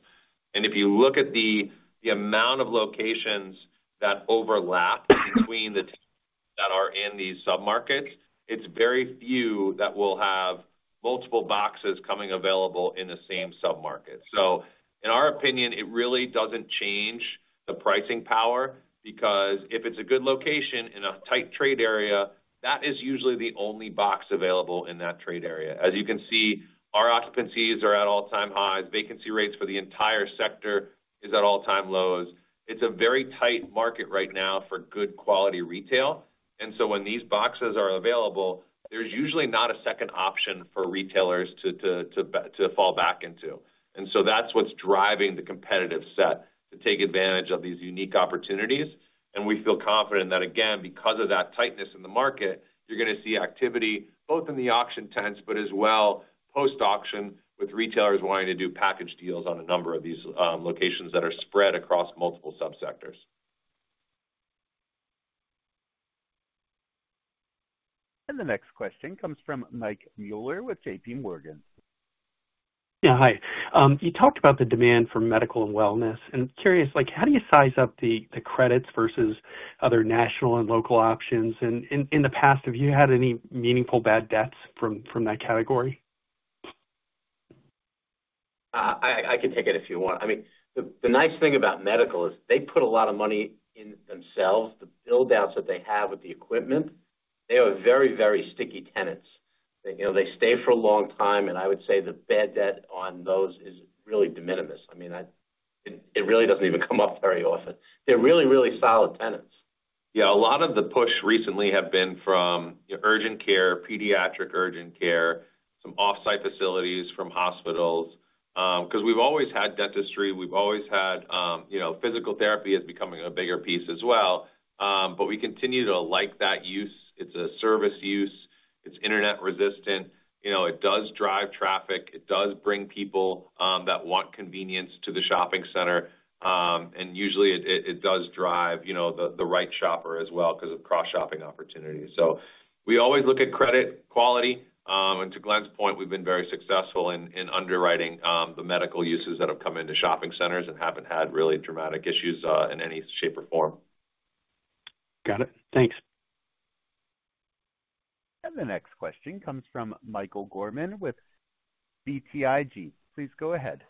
And if you look at the amount of locations that overlap between the tenants that are in these submarkets, it's very few that will have multiple boxes coming available in the same submarket. So in our opinion, it really doesn't change the pricing power because if it's a good location in a tight trade area, that is usually the only box available in that trade area. As you can see, our occupancies are at all-time highs. Vacancy rates for the entire sector are at all-time lows. It's a very tight market right now for good quality retail. And so when these boxes are available, there's usually not a second option for retailers to fall back into. And so that's what's driving the competitive set to take advantage of these unique opportunities. And we feel confident that, again, because of that tightness in the market, you're going to see activity both in the auction tents, but as well post-auction with retailers wanting to do package deals on a number of these locations that are spread across multiple subsectors. The next question comes from Mike Mueller with JPMorgan. Yeah. Hi. You talked about the demand for medical and wellness. And I'm curious, how do you size up the credits versus other national and local options? And in the past, have you had any meaningful bad debts from that category? I can take it if you want. I mean, the nice thing about medical is they put a lot of money in themselves. The build-outs that they have with the equipment, they are very, very sticky tenants. They stay for a long time, and I would say the bad debt on those is really de minimis. I mean, it really doesn't even come up very often. They're really, really solid tenants. Yeah. A lot of the push recently has been from urgent care, pediatric urgent care, some off-site facilities from hospitals. Because we've always had dentistry. We've always had physical therapy as becoming a bigger piece as well. But we continue to like that use. It's a service use. It's internet-resistant. It does drive traffic. It does bring people that want convenience to the shopping center. And usually, it does drive the right shopper as well because of cross-shopping opportunities. So we always look at credit quality. And to Glenn's point, we've been very successful in underwriting the medical uses that have come into shopping centers and haven't had really dramatic issues in any shape or form. Got it. Thanks. And the next question comes from Michael Gorman with BTIG. Please go ahead.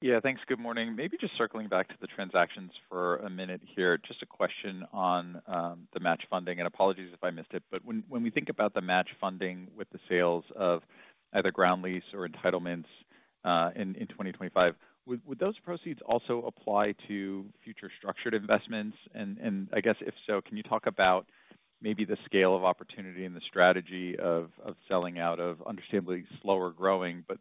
Yeah. Thanks. Good morning. Maybe just circling back to the transactions for a minute here. Just a question on the match funding, and apologies if I missed it, but when we think about the match funding with the sales of either ground lease or entitlements in 2025, would those proceeds also apply to future structured investments? And I guess, if so, can you talk about maybe the scale of opportunity and the strategy of selling out of understandably slower-growing but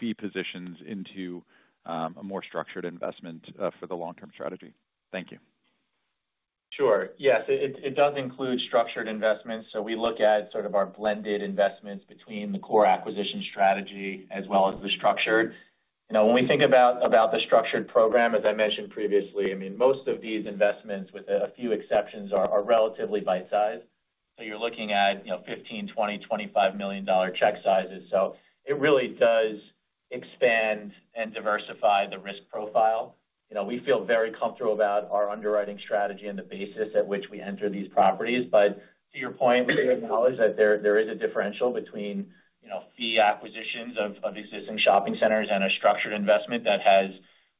fee positions into a more structured investment for the long-term strategy? Thank you. Sure. Yes. It does include structured investments, so we look at sort of our blended investments between the core acquisition strategy as well as the structured. When we think about the structured program, as I mentioned previously, I mean, most of these investments, with a few exceptions, are relatively bite-sized, so you're looking at $15 million, $20 million, $25 million check sizes. So it really does expand and diversify the risk profile. We feel very comfortable about our underwriting strategy and the basis at which we enter these properties, but to your point, we acknowledge that there is a differential between fee acquisitions of existing shopping centers and a structured investment that has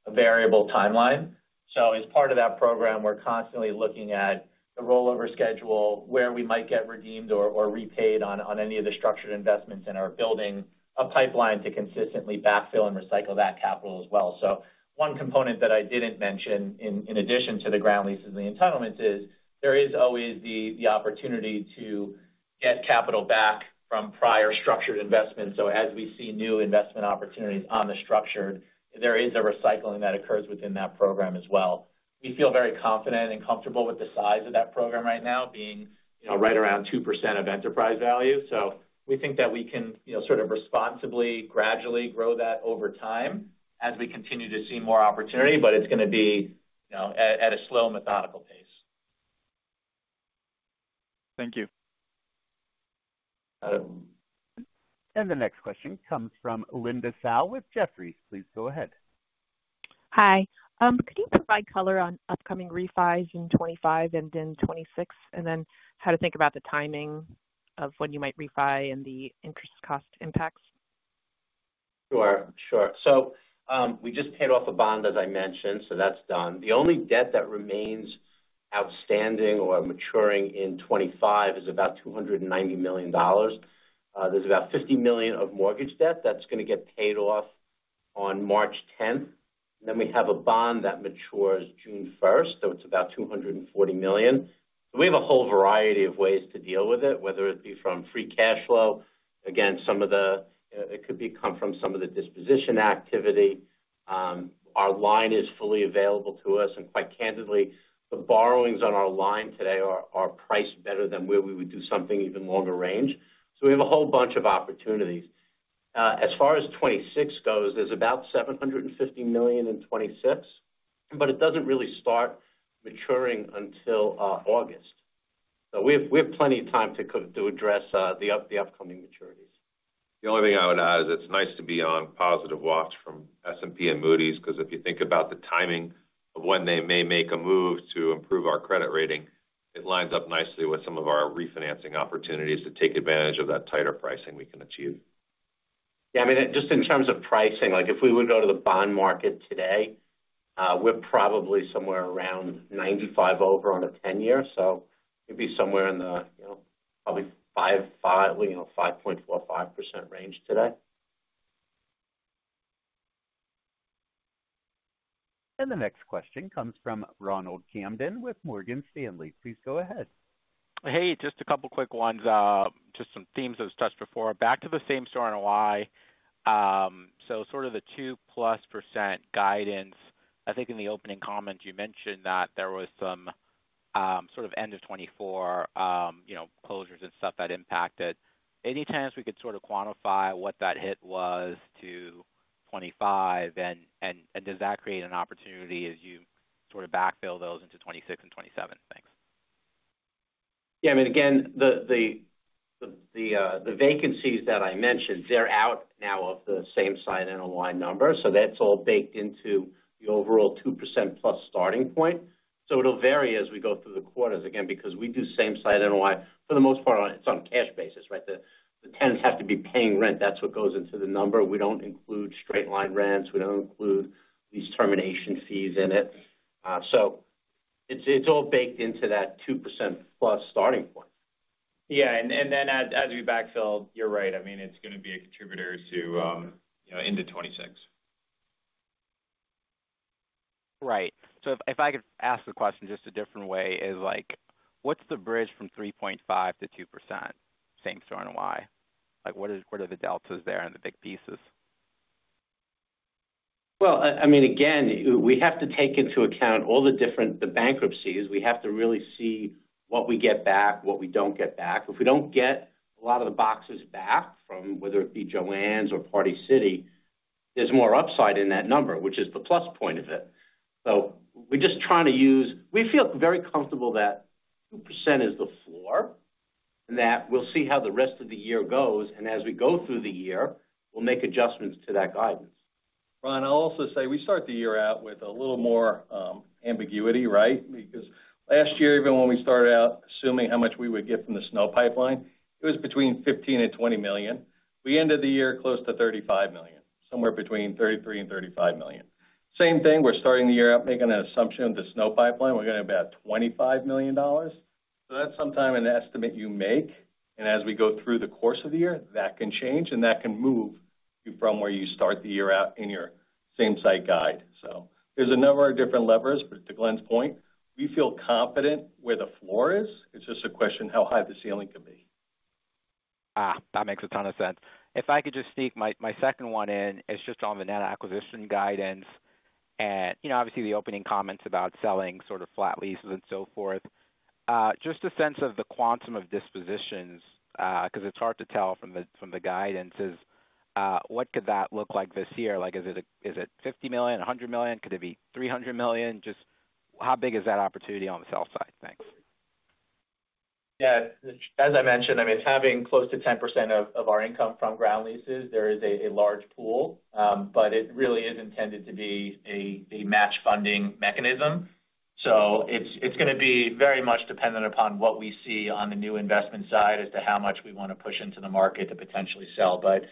a variable timeline. As part of that program, we're constantly looking at the rollover schedule, where we might get redeemed or repaid on any of the structured investments in our portfolio, building a pipeline to consistently backfill and recycle that capital as well. One component that I didn't mention in addition to the ground leases and the entitlements is there is always the opportunity to get capital back from prior structured investments. As we see new investment opportunities on the structured, there is a recycling that occurs within that program as well. We feel very confident and comfortable with the size of that program right now, being right around 2% of enterprise value. We think that we can sort of responsibly, gradually grow that over time as we continue to see more opportunity, but it's going to be at a slow methodical pace. Thank you. The next question comes from Linda Tsai with Jefferies. Please go ahead. Hi. Could you provide color on upcoming refis in 2025 and then 2026, and then how to think about the timing of when you might refi and the interest cost impacts? Sure. Sure. So we just paid off a bond, as I mentioned. So that's done. The only debt that remains outstanding or maturing in 2025 is about $290 million. There's about $50 million of mortgage debt that's going to get paid off on March 10th. And then we have a bond that matures June 1st. So it's about $240 million. So we have a whole variety of ways to deal with it, whether it be from free cash flow. Again, some of it could come from some of the disposition activity. Our line is fully available to us. And quite candidly, the borrowings on our line today are priced better than where we would do something even longer range. So we have a whole bunch of opportunities. As far as 2026 goes, there's about $750 million in 2026, but it doesn't really start maturing until August. We have plenty of time to address the upcoming maturities. The only thing I would add is it's nice to be on positive watch from S&P and Moody's because if you think about the timing of when they may make a move to improve our credit rating, it lines up nicely with some of our refinancing opportunities to take advantage of that tighter pricing we can achieve. Yeah. I mean, just in terms of pricing, if we would go to the bond market today, we're probably somewhere around 95 over on a 10-year. So it'd be somewhere in the probably 5.45% range today. And the next question comes from Ronald Kamdem with Morgan Stanley. Please go ahead. Hey, just a couple of quick ones. Just some themes we touched on before. Back to the same-store NOI So sort of the 2%+ guidance. I think in the opening comments, you mentioned that there was some sort of end of 2024 closures and stuff that impacted. Any chance we could sort of quantify what that hit was to 2025? And does that create an opportunity as you sort of backfill those into 2026 and 2027? Thanks. Yeah. I mean, again, the vacancies that I mentioned, they're out now of the same-site NOI number. So that's all baked into the overall 2%+ starting point. So it'll vary as we go through the quarters. Again, because we do same-site NOI, for the most part, it's on a cash basis, right? The tenants have to be paying rent. That's what goes into the number. We don't include straight-line rents. We don't include lease termination fees in it. So it's all baked into that 2%+ starting point. Yeah. And then as we backfill, you're right. I mean, it's going to be a contributor to end of 2026. Right. So if I could ask the question just a different way, is what's the bridge from 3.5% to 2%? Same story on why? What are the deltas there in the big pieces? Well, I mean, again, we have to take into account all the bankruptcies. We have to really see what we get back, what we don't get back. If we don't get a lot of the boxes back from whether it be JOANN's or Party City, there's more upside in that number, which is the plus point of it. So we're just trying to use we feel very comfortable that 2% is the floor and that we'll see how the rest of the year goes. And as we go through the year, we'll make adjustments to that guidance. Ron, I'll also say we start the year out with a little more ambiguity, right? Because last year, even when we started out assuming how much we would get from the SNO pipeline, it was between $15 million and $20 million. We ended the year close to $35 million, somewhere between $33 million and $35 million. Same thing. We're starting the year out making an assumption of the SNO pipeline. We're going to have about $25 million. So that's somewhat an estimate you make. And as we go through the course of the year, that can change. And that can move you from where you start the year out in your same-site guide. So there's a number of different levers. But to Glenn's point, we feel confident where the floor is. It's just a question of how high the ceiling could be. That makes a ton of sense. If I could just sneak my second one in, it's just on the net acquisition guidance, and obviously, the opening comments about selling sort of flat leases and so forth. Just a sense of the quantum of dispositions, because it's hard to tell from the guidance, is what could that look like this year? Is it $50 million, $100 million? Could it be $300 million? Just how big is that opportunity on the sell side? Thanks. Yeah. As I mentioned, I mean, having close to 10% of our income from ground leases, there is a large pool, but it really is intended to be a match funding mechanism. So it's going to be very much dependent upon what we see on the new investment side as to how much we want to push into the market to potentially sell, but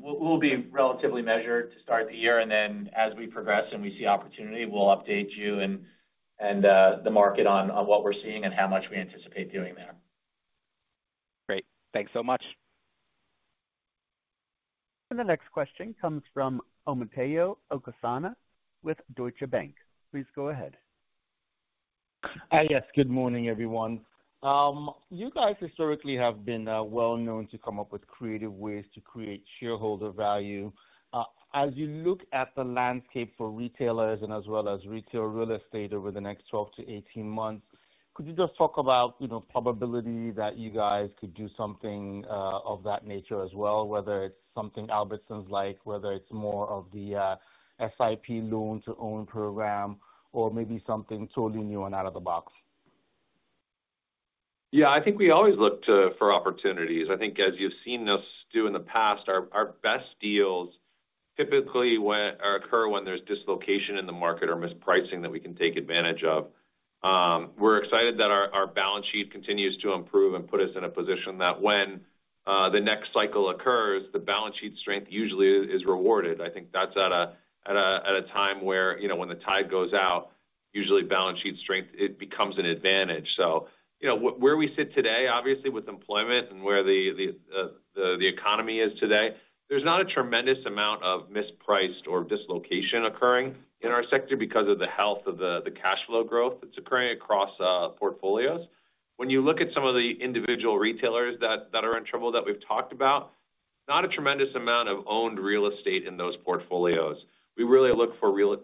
we'll be relatively measured to start the year, and then as we progress and we see opportunity, we'll update you and the market on what we're seeing and how much we anticipate doing there. Great. Thanks so much. The next question comes from Omotayo Okusanya with Deutsche Bank. Please go ahead. Hi, yes. Good morning, everyone. You guys historically have been well known to come up with creative ways to create shareholder value. As you look at the landscape for retailers and as well as retail real estate over the next 12-18 months, could you just talk about probability that you guys could do something of that nature as well, whether it's something Albertsons-like, whether it's more of the SIP loan-to-own program, or maybe something totally new and out of the box? Yeah. I think we always look for opportunities. I think as you've seen us do in the past, our best deals typically occur when there's dislocation in the market or mispricing that we can take advantage of. We're excited that our balance sheet continues to improve and put us in a position that when the next cycle occurs, the balance sheet strength usually is rewarded. I think that's at a time where when the tide goes out, usually balance sheet strength, it becomes an advantage. So where we sit today, obviously, with employment and where the economy is today, there's not a tremendous amount of mispriced or dislocation occurring in our sector because of the health of the cash flow growth that's occurring across portfolios. When you look at some of the individual retailers that are in trouble that we've talked about, not a tremendous amount of owned real estate in those portfolios. We really look for real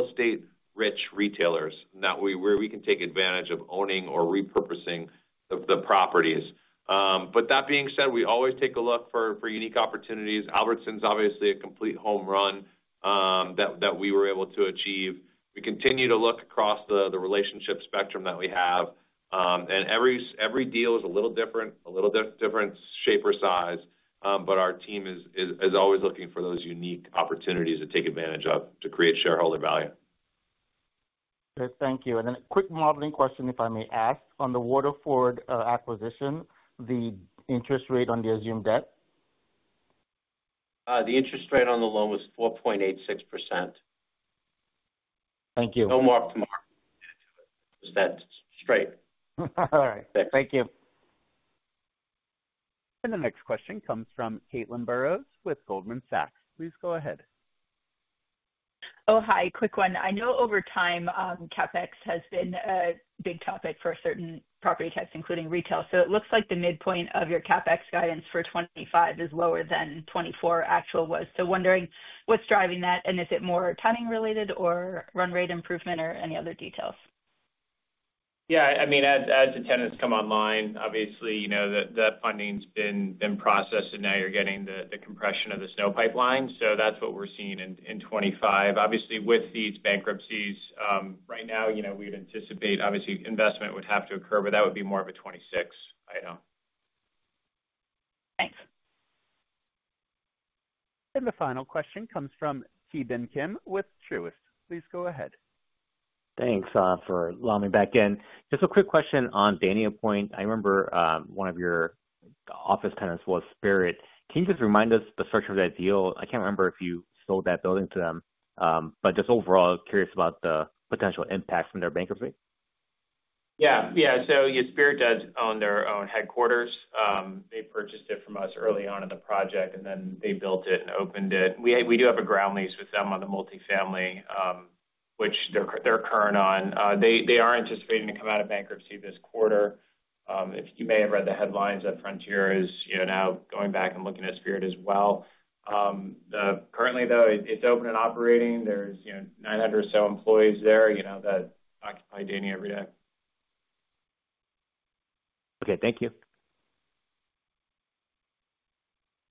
estate-rich retailers where we can take advantage of owning or repurposing the properties. But that being said, we always take a look for unique opportunities. Albertsons is obviously a complete home run that we were able to achieve. We continue to look across the relationship spectrum that we have. And every deal is a little different, a little different shape or size. But our team is always looking for those unique opportunities to take advantage of to create shareholder value. Thank you. And then a quick modeling question, if I may ask, on the Waterford acquisition, the interest rate on the assumed debt? The interest rate on the loan was 4.86%. Thank you. No mark-to-market interest rate. All right. Thank you. The next question comes from Caitlin Burrows with Goldman Sachs. Please go ahead. Oh, hi. Quick one. I know over time, CapEx has been a big topic for certain property types, including retail. So it looks like the midpoint of your CapEx guidance for 2025 is lower than 2024 actual was. So wondering what's driving that? And is it more timing related or run rate improvement or any other details? Yeah. I mean, as the tenants come online, obviously, that funding's been processed, and now you're getting the compression of the SNO pipeline. So that's what we're seeing in 2025. Obviously, with these bankruptcies, right now, we'd anticipate, obviously, investment would have to occur, but that would be more of a 2026 item. The final question comes from Ki Bin Kim with Truist. Please go ahead. Thanks for allowing me back in. Just a quick question on Dania Pointe. I remember one of your office tenants was Spirit. Can you just remind us the structure of that deal? I can't remember if you sold that building to them, but just overall, curious about the potential impact from their bankruptcy. Yeah. Yeah. So Spirit does own their own headquarters. They purchased it from us early on in the project, and then they built it and opened it. We do have a ground lease with them on the multifamily, which they're current on. They are anticipating to come out of bankruptcy this quarter. If you may have read the headlines, that Frontier is now going back and looking at Spirit as well. Currently, though, it's open and operating. There's 900 or so employees there that occupy Dania every day. Okay. Thank you.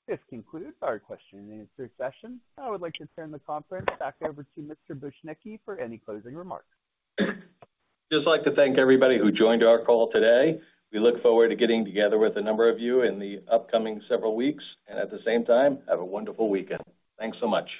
This concludes our question and answer session. I would like to turn the conference back over to Mr. Bujnicki for any closing remarks. Just like to thank everybody who joined our call today. We look forward to getting together with a number of you in the upcoming several weeks and at the same time, have a wonderful weekend. Thanks so much.